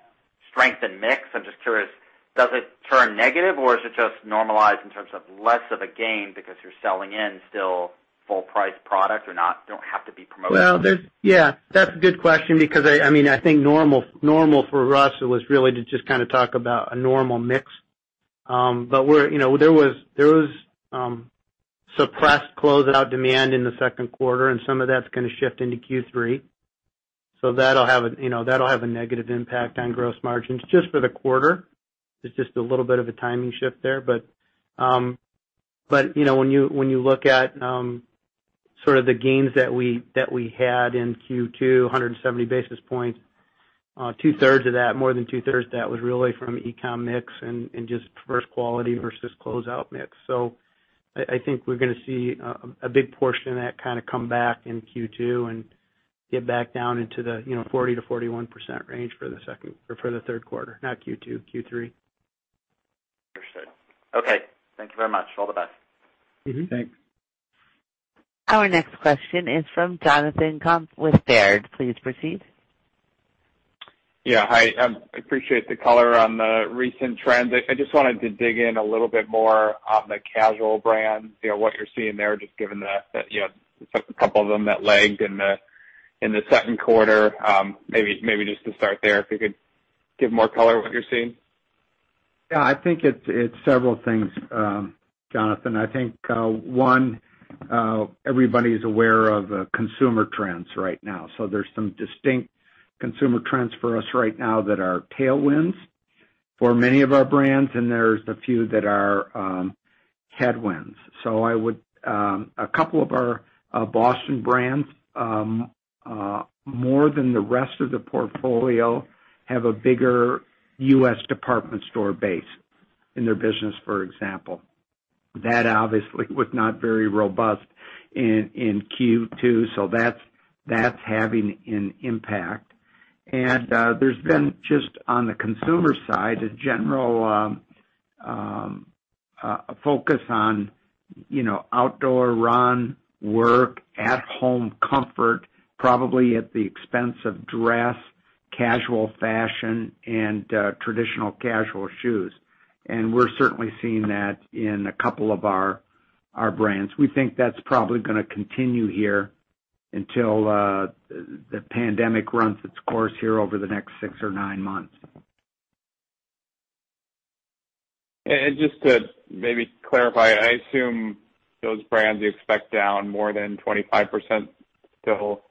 strength and mix. I'm just curious, does it turn negative, or is it just normalized in terms of less of a gain because you're selling in still full price product or not, don't have to be promotional? Well, yeah, that's a good question because I mean, I think normal for us was really to just kind of talk about a normal mix. But we're, you know, there was suppressed closeout demand in the second quarter, and some of that's gonna shift into Q3. So that'll have a negative impact on gross margins just for the quarter. It's just a little bit of a timing shift there. But, you know, when you look at sort of the gains that we had in Q2, 170 basis points, two-thirds of that, more than two-thirds of that was really from e-com mix and just first quality versus closeout mix. So I think we're gonna see a big portion of that kind of come back in Q2 and get back down into the, you know, 40-41% range for the third quarter, not Q2, Q3. Understood. Okay. Thank you very much. All the best. Mm-hmm. Thanks. Our next question is from Jonathan Komp with Baird. Please proceed. Yeah. Hi, I appreciate the color on the recent trends. I just wanted to dig in a little bit more on the casual brands, you know, what you're seeing there, just given the, you know, a couple of them that lagged in the second quarter. Maybe just to start there, if you could give more color on what you're seeing. Yeah, I think it's several things, Jonathan. I think one, everybody's aware of consumer trends right now. So there's some distinct consumer trends for us right now that are tailwinds for many of our brands, and there's a few that are headwinds. So I would... A couple of our Boston brands, more than the rest of the portfolio, have a bigger U.S. department store base in their business, for example. That obviously was not very robust in Q2, so that's having an impact. And there's been, just on the consumer side, a general a focus on, you know, outdoor run, work, at-home comfort, probably at the expense of dress, casual fashion, and traditional casual shoes. And we're certainly seeing that in a couple of our brands. We think that's probably gonna continue here until the pandemic runs its course here over the next six or nine months. Just to maybe clarify, I assume those brands you expect down more than 25% still,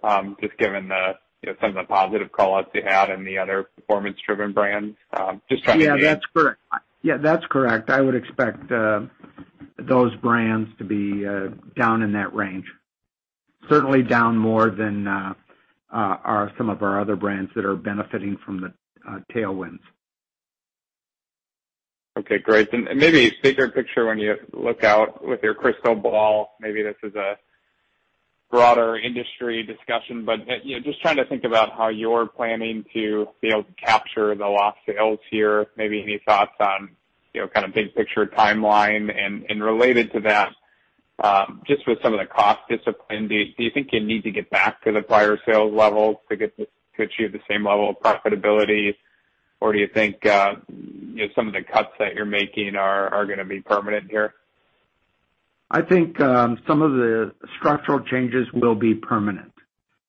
just given the, you know, some of the positive callouts you had in the other performance-driven brands, just trying to- Yeah, that's correct. Yeah, that's correct. I would expect those brands to be down in that range. Certainly down more than are some of our other brands that are benefiting from the tailwinds.... Okay, great. And maybe bigger picture when you look out with your crystal ball, maybe this is a broader industry discussion, but you know, just trying to think about how you're planning to be able to capture the lost sales here. Maybe any thoughts on, you know, kind of big picture timeline? And related to that, just with some of the cost discipline, do you think you need to get back to the prior sales levels to get to achieve the same level of profitability? Or do you think, you know, some of the cuts that you're making are gonna be permanent here? I think some of the structural changes will be permanent.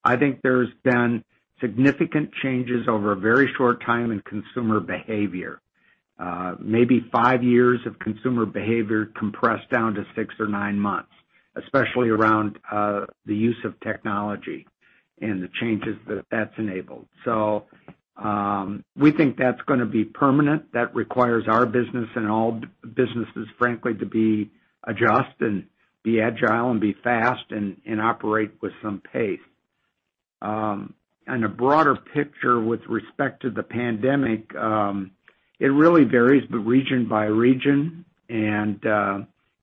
I think there's been significant changes over a very short time in consumer behavior. Maybe five years of consumer behavior compressed down to six or nine months, especially around the use of technology and the changes that that's enabled. So we think that's gonna be permanent. That requires our business and all businesses, frankly, to adjust and be agile and be fast and operate with some pace. And a broader picture with respect to the pandemic, it really varies by region by region, and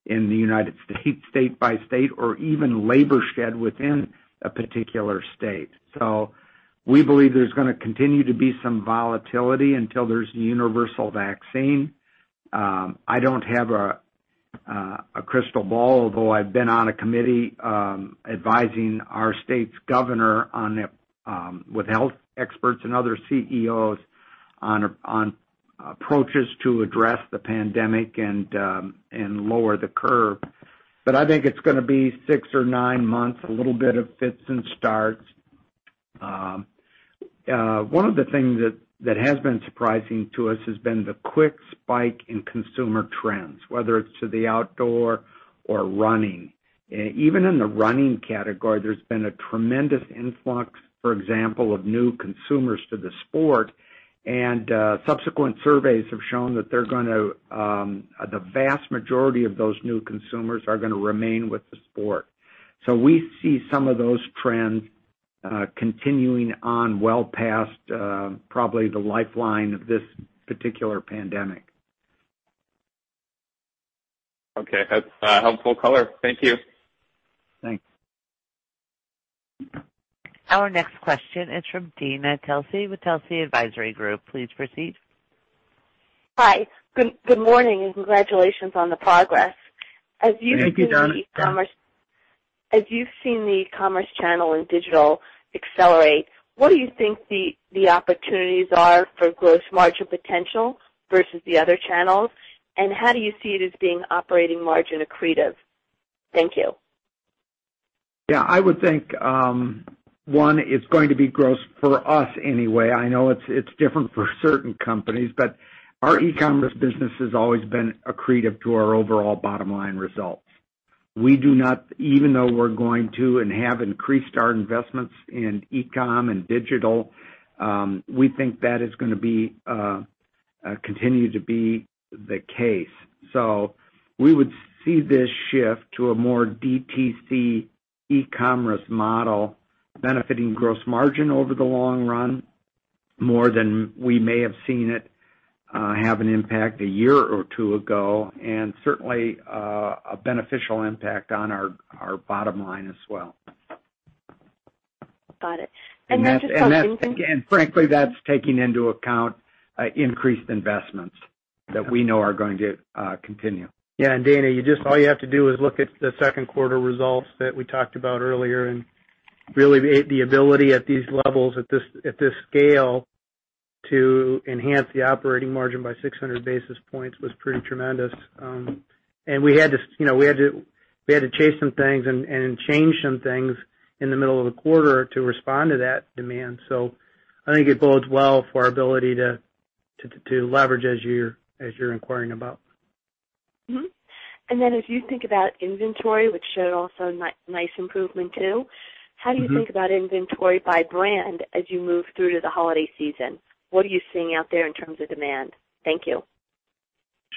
in the United States, state by state or even labor shed within a particular state. So we believe there's gonna continue to be some volatility until there's a universal vaccine. I don't have a crystal ball, although I've been on a committee advising our state's governor on it with health experts and other CEOs on approaches to address the pandemic and lower the curve. But I think it's gonna be 6 or 9 months, a little bit of fits and starts. One of the things that has been surprising to us has been the quick spike in consumer trends, whether it's to the outdoor or running. Even in the running category, there's been a tremendous influx, for example, of new consumers to the sport. And subsequent surveys have shown that the vast majority of those new consumers are gonna remain with the sport. So we see some of those trends continuing on well past probably the lifeline of this particular pandemic. Okay, that's a helpful color. Thank you. Thanks. Our next question is from Dana Telsey with Telsey Advisory Group. Please proceed. Hi, good morning, and congratulations on the progress. Thank you, Dana. As you've seen the e-commerce, as you've seen the e-commerce channel and digital accelerate, what do you think the opportunities are for gross margin potential versus the other channels? And how do you see it as being operating margin accretive? Thank you. Yeah, I would think, one, it's going to be gross for us anyway. I know it's different for certain companies, but our e-commerce business has always been accretive to our overall bottom line results. We do not even though we're going to and have increased our investments in e-com and digital, we think that is gonna be continue to be the case. So we would see this shift to a more DTC e-commerce model, benefiting gross margin over the long run, more than we may have seen it have an impact a year or two ago, and certainly a beneficial impact on our bottom line as well. Got it. And then just on in- That's, and frankly, that's taking into account increased investments that we know are going to continue. Yeah, and Dana, you just... all you have to do is look at the second quarter results that we talked about earlier and really the ability at these levels, at this scale, to enhance the operating margin by 600 basis points was pretty tremendous. And we had to, you know, chase some things and change some things in the middle of the quarter to respond to that demand. So I think it bodes well for our ability to leverage as you're inquiring about. Mm-hmm. And then as you think about inventory, which showed also nice improvement too. Mm-hmm. How do you think about inventory by brand as you move through to the holiday season? What are you seeing out there in terms of demand? Thank you.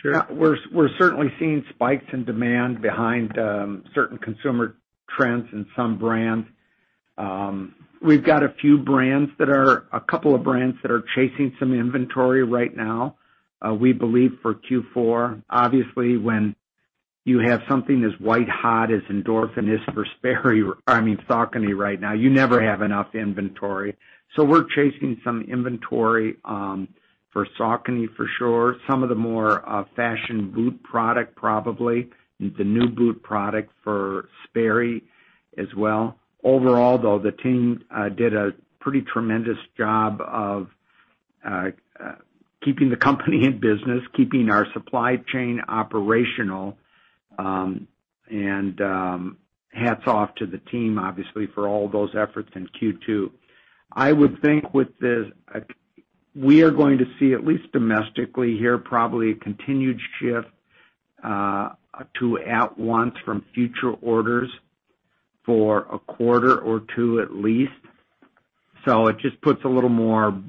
Sure. We're certainly seeing spikes in demand behind certain consumer trends in some brands. We've got a few brands that are a couple of brands that are chasing some inventory right now, we believe for Q4. Obviously, when you have something as white hot as Endorphin is for Sperry, or I mean, Saucony right now, you never have enough inventory. So we're chasing some inventory for Saucony, for sure. Some of the more fashion boot product probably, and the new boot product for Sperry as well. Overall, though, the team did a pretty tremendous job of keeping the company in business, keeping our supply chain operational. And hats off to the team, obviously, for all those efforts in Q2. I would think with this, we are going to see, at least domestically here, probably a continued shift, to at once from future orders for a quarter or two at least. So it just puts a little more,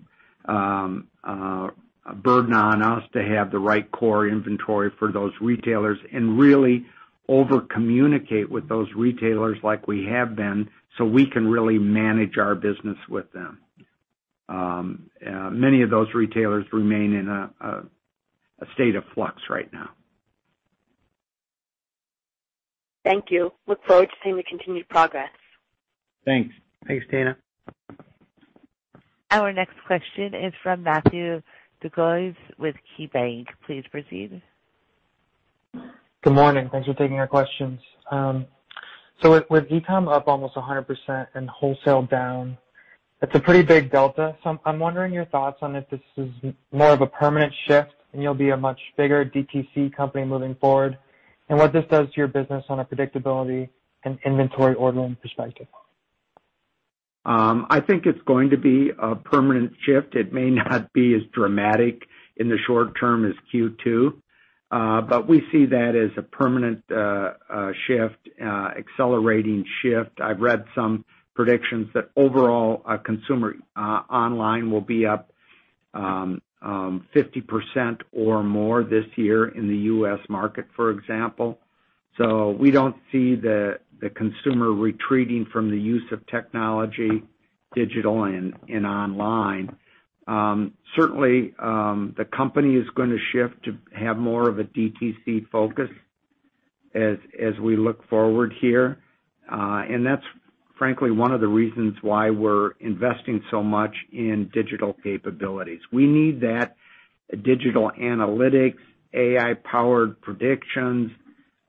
burden on us to have the right core inventory for those retailers and really over-communicate with those retailers like we have been, so we can really manage our business with them... many of those retailers remain in a state of flux right now. Thank you. Look forward to seeing the continued progress. Thanks. Thanks, Dana. Our next question is from Matthew DeGulis with KeyBanc Capital Markets. Please proceed. Good morning. Thanks for taking our questions. So with e-com up almost 100% and wholesale down, it's a pretty big delta. So I'm wondering your thoughts on if this is more of a permanent shift, and you'll be a much bigger DTC company moving forward, and what this does to your business on a predictability and inventory ordering perspective? I think it's going to be a permanent shift. It may not be as dramatic in the short term as Q2, but we see that as a permanent shift, accelerating shift. I've read some predictions that overall, consumer online will be up 50% or more this year in the U.S. market, for example. So we don't see the consumer retreating from the use of technology, digital and online. Certainly, the company is gonna shift to have more of a DTC focus as we look forward here. And that's frankly one of the reasons why we're investing so much in digital capabilities. We need that digital analytics, AI-powered predictions,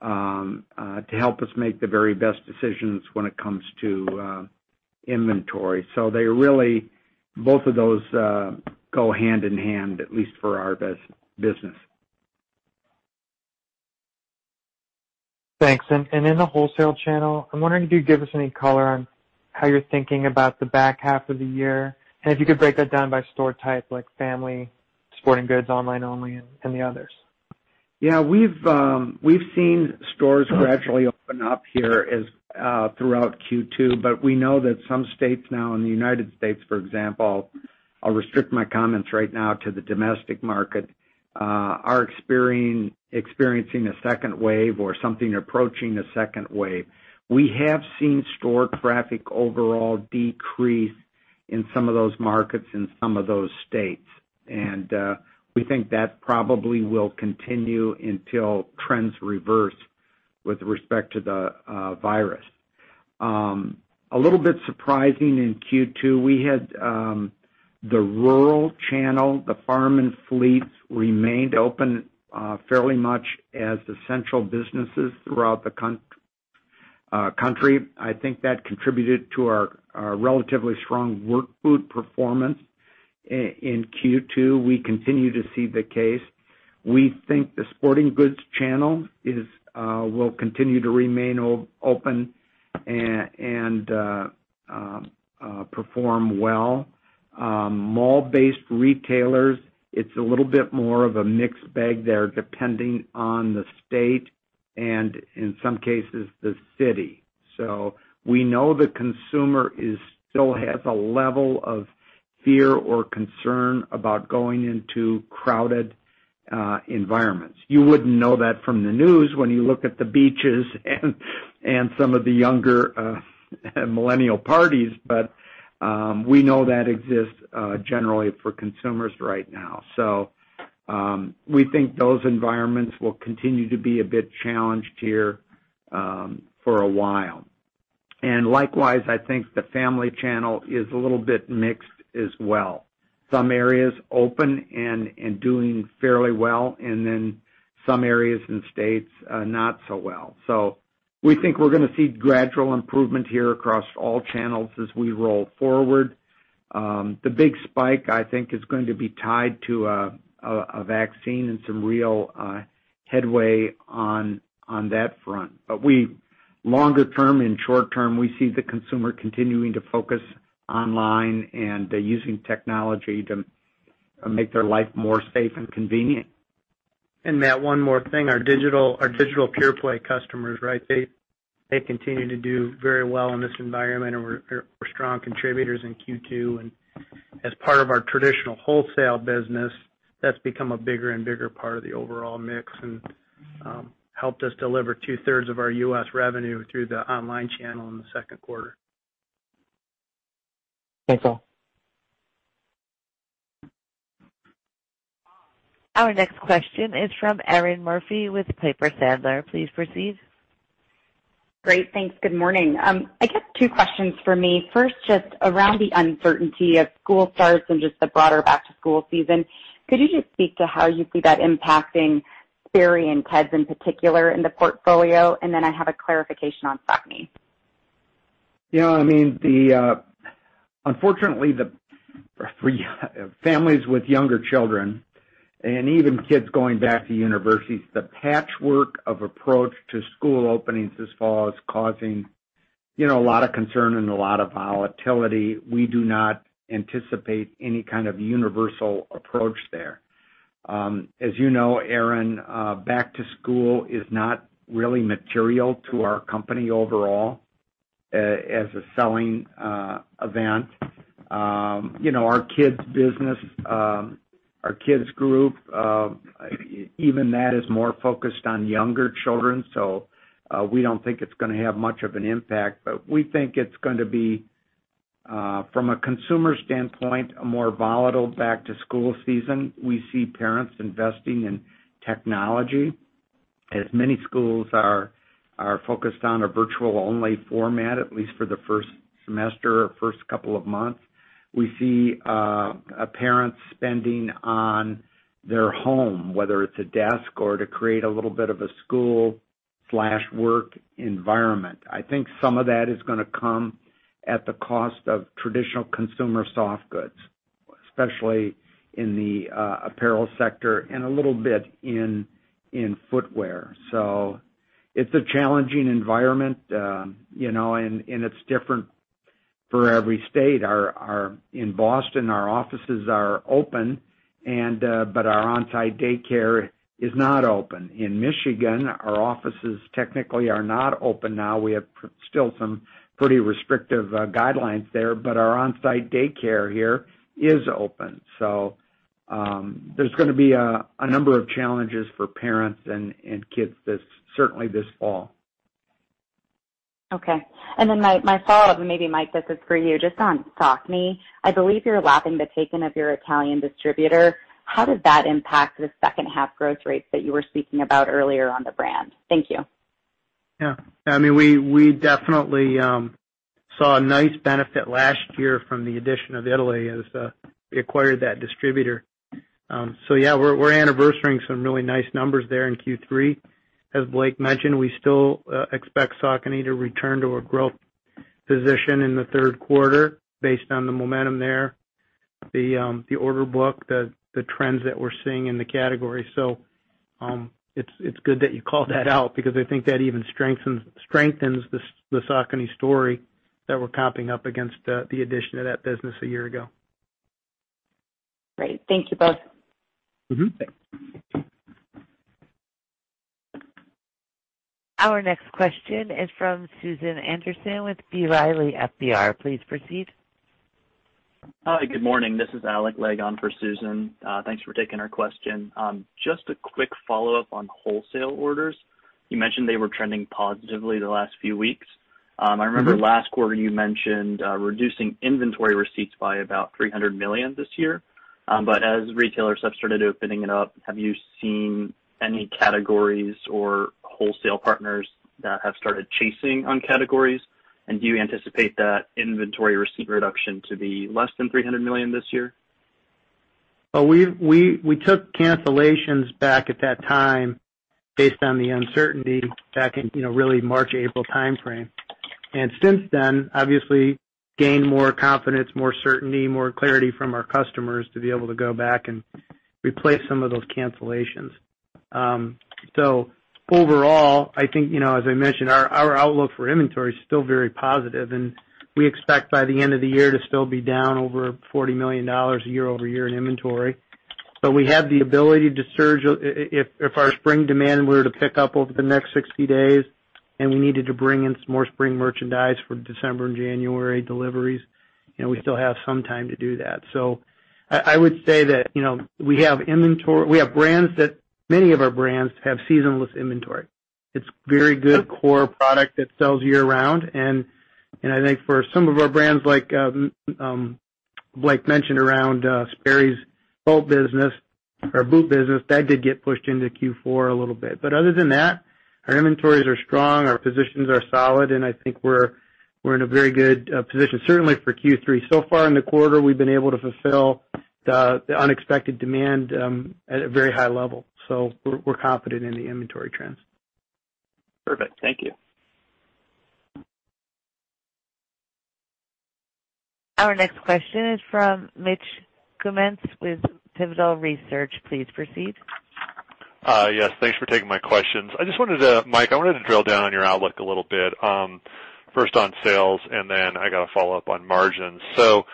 to help us make the very best decisions when it comes to inventory. They really, both of those, go hand in hand, at least for our business. Thanks. In the wholesale channel, I'm wondering if you'd give us any color on how you're thinking about the back half of the year, and if you could break that down by store type, like family, sporting goods, online only, and the others. Yeah. We've seen stores gradually open up here as throughout Q2, but we know that some states now in the United States, for example, I'll restrict my comments right now to the domestic market, are experiencing a second wave or something approaching a second wave. We have seen store traffic overall decrease in some of those markets in some of those states, and we think that probably will continue until trends reverse with respect to the virus. A little bit surprising in Q2, we had the rural channel, the farm and fleets remained open fairly much as the central businesses throughout the country. I think that contributed to our relatively strong work boot performance in Q2. We continue to see the case. We think the sporting goods channel will continue to remain open and perform well. Mall-based retailers, it's a little bit more of a mixed bag there, depending on the state and in some cases, the city. So we know the consumer still has a level of fear or concern about going into crowded environments. You wouldn't know that from the news when you look at the beaches and some of the younger millennial parties, but we know that exists generally for consumers right now. So we think those environments will continue to be a bit challenged here for a while. And likewise, I think the family channel is a little bit mixed as well. Some areas open and doing fairly well, and then some areas and states not so well. So we think we're gonna see gradual improvement here across all channels as we roll forward. The big spike, I think, is going to be tied to a vaccine and some real headway on that front. But we longer term and short term, we see the consumer continuing to focus online and using technology to make their life more safe and convenient. Matt, one more thing. Our digital pure play customers, right? They continue to do very well in this environment and were strong contributors in Q2. As part of our traditional wholesale business, that's become a bigger and bigger part of the overall mix and helped us deliver two-thirds of our U.S. revenue through the online channel in the second quarter. Thanks, all. Our next question is from Erinn Murphy with Piper Sandler. Please proceed. Great. Thanks. Good morning. I guess two questions for me. First, just around the uncertainty of school starts and just the broader back-to-school season, could you just speak to how you see that impacting Sperry and Keds in particular in the portfolio? And then I have a clarification on Saucony. Yeah, I mean, unfortunately, for families with younger children and even kids going back to universities, the patchwork of approach to school openings this fall is causing, you know, a lot of concern and a lot of volatility. We do not anticipate any kind of universal approach there. As you know, Erin, back to school is not really material to our company overall, as a selling event. You know, our kids group, even that is more focused on younger children, so, we don't think it's gonna have much of an impact. But we think it's going to be, from a consumer standpoint, a more volatile back-to-school season. We see parents investing in technology, as many schools are focused on a virtual-only format, at least for the first semester or first couple of months. We see a parent spending on their home, whether it's a desk or to create a little bit of a school/work environment. I think some of that is gonna come at the cost of traditional consumer soft goods, especially in the apparel sector and a little bit in footwear. So it's a challenging environment, you know, and it's different for every state. In Boston, our offices are open, and but our on-site daycare is not open. In Michigan, our offices technically are not open now. We have still some pretty restrictive guidelines there, but our on-site daycare here is open. So there's gonna be a number of challenges for parents and kids this certainly this fall. Okay. And then my follow-up, and maybe, Mike, this is for you, just on Saucony. I believe you're lapping the takeover of your Italian distributor. How does that impact the second half growth rates that you were speaking about earlier on the brand? Thank you. Yeah. I mean, we definitely saw a nice benefit last year from the addition of Italy as we acquired that distributor. So yeah, we're anniversarying some really nice numbers there in Q3. As Blake mentioned, we still expect Saucony to return to a growth position in the third quarter based on the momentum there, the order book, the trends that we're seeing in the category. So it's good that you called that out because I think that even strengthens the Saucony story that we're comping up against the addition of that business a year ago. Great. Thank you both. Mm-hmm. Thanks. Our next question is from Susan Anderson with B. Riley FBR. Please proceed. Hi, good morning. This is Alec Legg for Susan. Thanks for taking our question. Just a quick follow-up on wholesale orders. You mentioned they were trending positively the last few weeks. Mm-hmm. I remember last quarter, you mentioned reducing inventory receipts by about $300 million this year. But as retailers have started opening it up, have you seen any categories or wholesale partners that have started chasing on categories? And do you anticipate that inventory receipt reduction to be less than $300 million this year? Well, we took cancellations back at that time based on the uncertainty back in, you know, really March, April timeframe. Since then, obviously, gained more confidence, more certainty, more clarity from our customers to be able to go back and replace some of those cancellations. Overall, I think, you know, as I mentioned, our outlook for inventory is still very positive, and we expect by the end of the year to still be down over $40 million year-over-year in inventory. But we have the ability to surge if our spring demand were to pick up over the next 60 days, and we needed to bring in some more spring merchandise for December and January deliveries, you know, we still have some time to do that. So I would say that, you know, we have inventory—we have brands that—many of our brands have seasonless inventory. It's very good core product that sells year-round, and, and I think for some of our brands, like, Blake mentioned around Sperry's boat business or boot business, that did get pushed into Q4 a little bit. But other than that, our inventories are strong, our positions are solid, and I think we're, we're in a very good position, certainly for Q3. So far in the quarter, we've been able to fulfill the, the unexpected demand at a very high level. So we're, we're confident in the inventory trends. Perfect. Thank you. Our next question is from Mitch Kummetz with Pivotal Research. Please proceed. Yes, thanks for taking my questions. I just wanted to—Mike, I wanted to drill down on your outlook a little bit, first on sales, and then I got a follow-up on margins. So,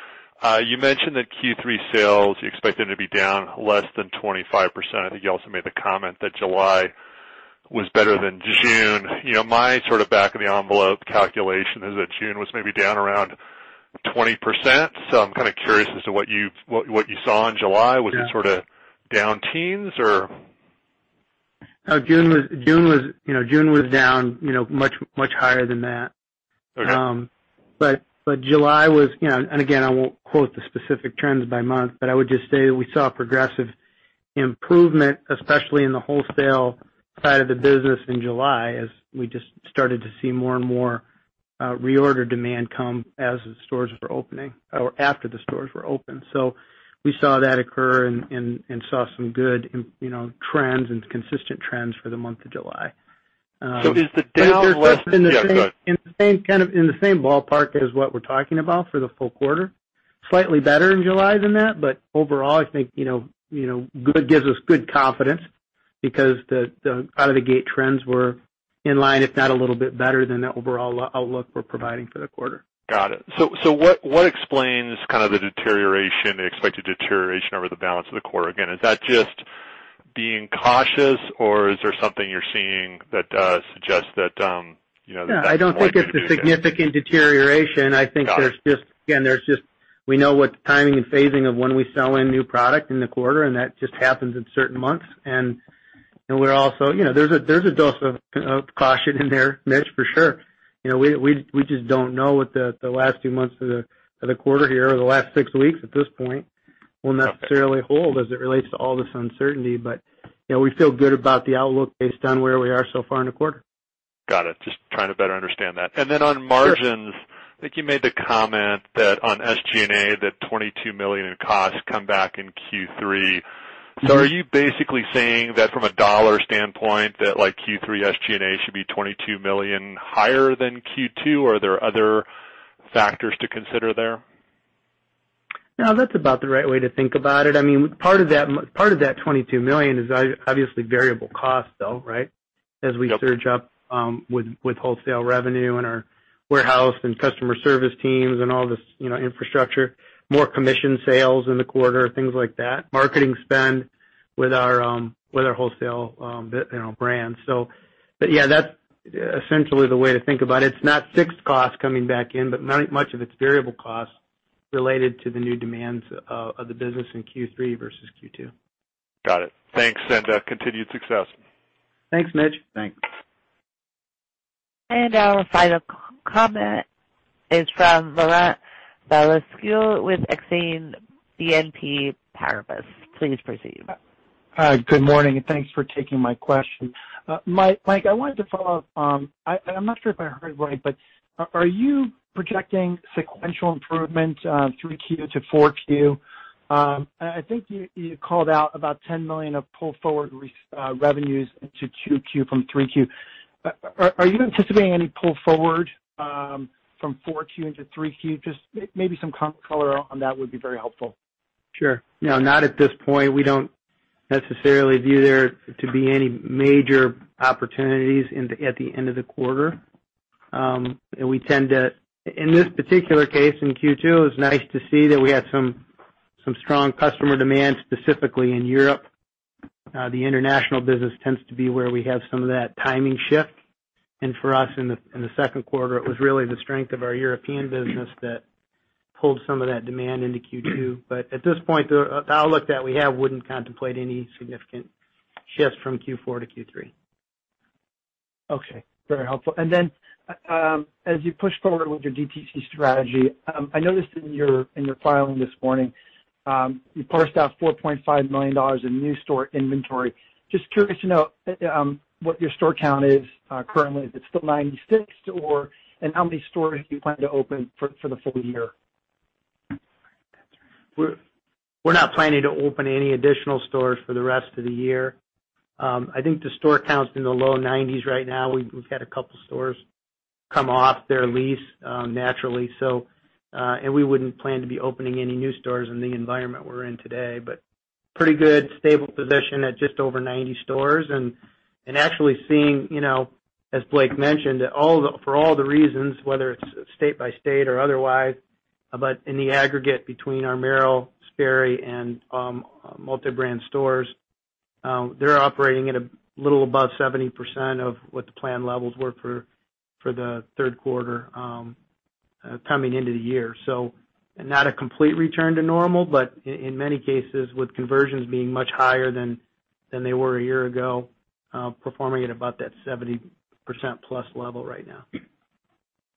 you mentioned that Q3 sales, you expect them to be down less than 25%. I think you also made the comment that July was better than June. You know, my sort of back-of-the-envelope calculation is that June was maybe down around 20%. So I'm kind of curious as to what you saw in July. Yeah. Was it sort of down teens or? No, June was down, you know, much higher than that. Okay. But July was, you know... And again, I won't quote the specific trends by month, but I would just say that we saw a progressive improvement, especially in the wholesale side of the business in July, as we just started to see more and more, reorder demand come as the stores were opening or after the stores were open. So we saw that occur and saw some good, you know, trends and consistent trends for the month of July. So is the down less- But they're still in the same- Yeah, go ahead. In the same, kind of in the same ballpark as what we're talking about for the full quarter. Slightly better in July than that, but overall, I think, you know, you know, good gives us good confidence because the out-of-the-gate trends were in line, if not a little bit better than the overall outlook we're providing for the quarter. Got it. So, so what, what explains kind of the deterioration, the expected deterioration over the balance of the quarter? Again, is that just being cautious, or is there something you're seeing that suggests that, you know, that's why you're doing that? Yeah, I don't think it's a significant deterioration. Got it. I think there's just, again, we know what the timing and phasing of when we sell in new product in the quarter, and that just happens in certain months. And we're also, you know, there's a dose of caution in there, Mitch, for sure. You know, we just don't know what the last few months of the quarter here, or the last six weeks at this point, will necessarily hold as it relates to all this uncertainty. But, you know, we feel good about the outlook based on where we are so far in the quarter. Got it. Just trying to better understand that. Sure. And then on margins, I think you made the comment that on SG&A, that $22 million in costs come back in Q3. Mm-hmm. Are you basically saying that from a dollar standpoint, that like Q3 SG&A should be $22 million higher than Q2, or are there other factors to consider there? No, that's about the right way to think about it. I mean, part of that, part of that $22 million is obviously variable costs, though, right? Yep. As we surge up with wholesale revenue and our warehouse and customer service teams and all this, you know, infrastructure. More commission sales in the quarter, things like that. Marketing spend with our wholesale, you know, brands. So, but yeah, that's essentially the way to think about it. It's not fixed costs coming back in, but much of it's variable costs related to the new demands of the business in Q3 versus Q2. Got it. Thanks, and continued success. Thanks, Mitch. Thanks. Our final comment is from Laurent Vasilescu with Exane BNP Paribas. Please proceed. Hi, good morning, and thanks for taking my question. Mike, Mike, I wanted to follow up, and I'm not sure if I heard right, but are you projecting sequential improvement, 3Q to 4Q? And I think you called out about $10 million of pull forward revenues into 2Q from 3Q. Are you anticipating any pull forward from 4Q into 3Q? Just maybe some color on that would be very helpful. Sure. No, not at this point. We don't necessarily view there to be any major opportunities in the, at the end of the quarter. And we tend to. In this particular case, in Q2, it was nice to see that we had some strong customer demand, specifically in Europe. The international business tends to be where we have some of that timing shift. And for us, in the second quarter, it was really the strength of our European business that pulled some of that demand into Q2. But at this point, the outlook that we have wouldn't contemplate any significant shifts from Q4 to Q3. Okay. Very helpful. And then, as you push forward with your DTC strategy, I noticed in your filing this morning, you parsed out $4.5 million in new store inventory. Just curious to know, what your store count is, currently. Is it still 96, or... And how many stores do you plan to open for the full year? We're not planning to open any additional stores for the rest of the year. I think the store count's in the low 90s right now. We've had a couple stores come off their lease naturally, so and we wouldn't plan to be opening any new stores in the environment we're in today. But pretty good, stable position at just over 90 stores. And actually seeing, you know, as Blake mentioned, that all the, for all the reasons, whether it's state by state or otherwise, but in the aggregate between our Merrell, Sperry, and multi-brand stores, they're operating at a little above 70% of what the plan levels were for the third quarter coming into the year. So not a complete return to normal, but in many cases, with conversions being much higher than they were a year ago, performing at about that 70%+ level right now.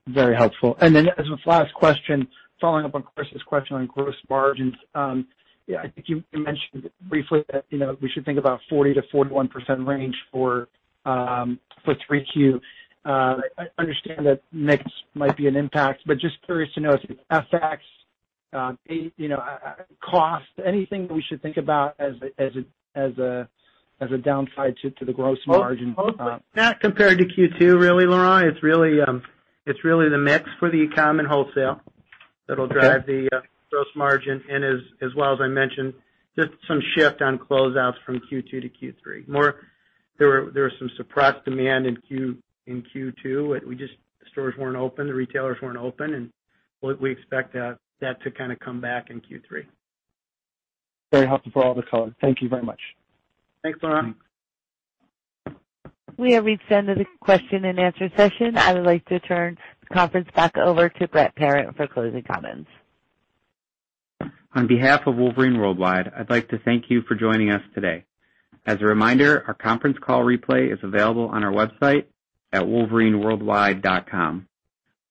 Very helpful. And then as a last question, following up on Chris's question on gross margins, I think you mentioned briefly that, you know, we should think about 40%-41% range for 3Q. I understand that mix might be an impact, but just curious to know if FX, cost, anything we should think about as a downside to the gross margin? not compared to Q2, really, Laurent. It's really, it's really the mix for the e-com and wholesale- Okay... that'll drive the gross margin. And as well as I mentioned, just some shift on closeouts from Q2 to Q3. More, there was some suppressed demand in Q2, and we just, stores weren't open, the retailers weren't open, and we expect that to kind of come back in Q3. Very helpful for all the color. Thank you very much. Thanks, Laurent. We have reached the end of the question and answer session. I would like to turn the conference back over to Brett Parent for closing comments. On behalf of Wolverine Worldwide, I'd like to thank you for joining us today. As a reminder, our conference call replay is available on our website at wolverineworldwide.com.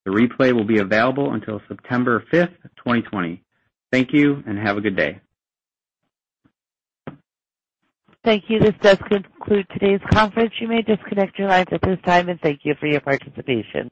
The replay will be available until September fifth, 2020. Thank you, and have a good day. Thank you. This does conclude today's conference. You may disconnect your lines at this time, and thank you for your participation.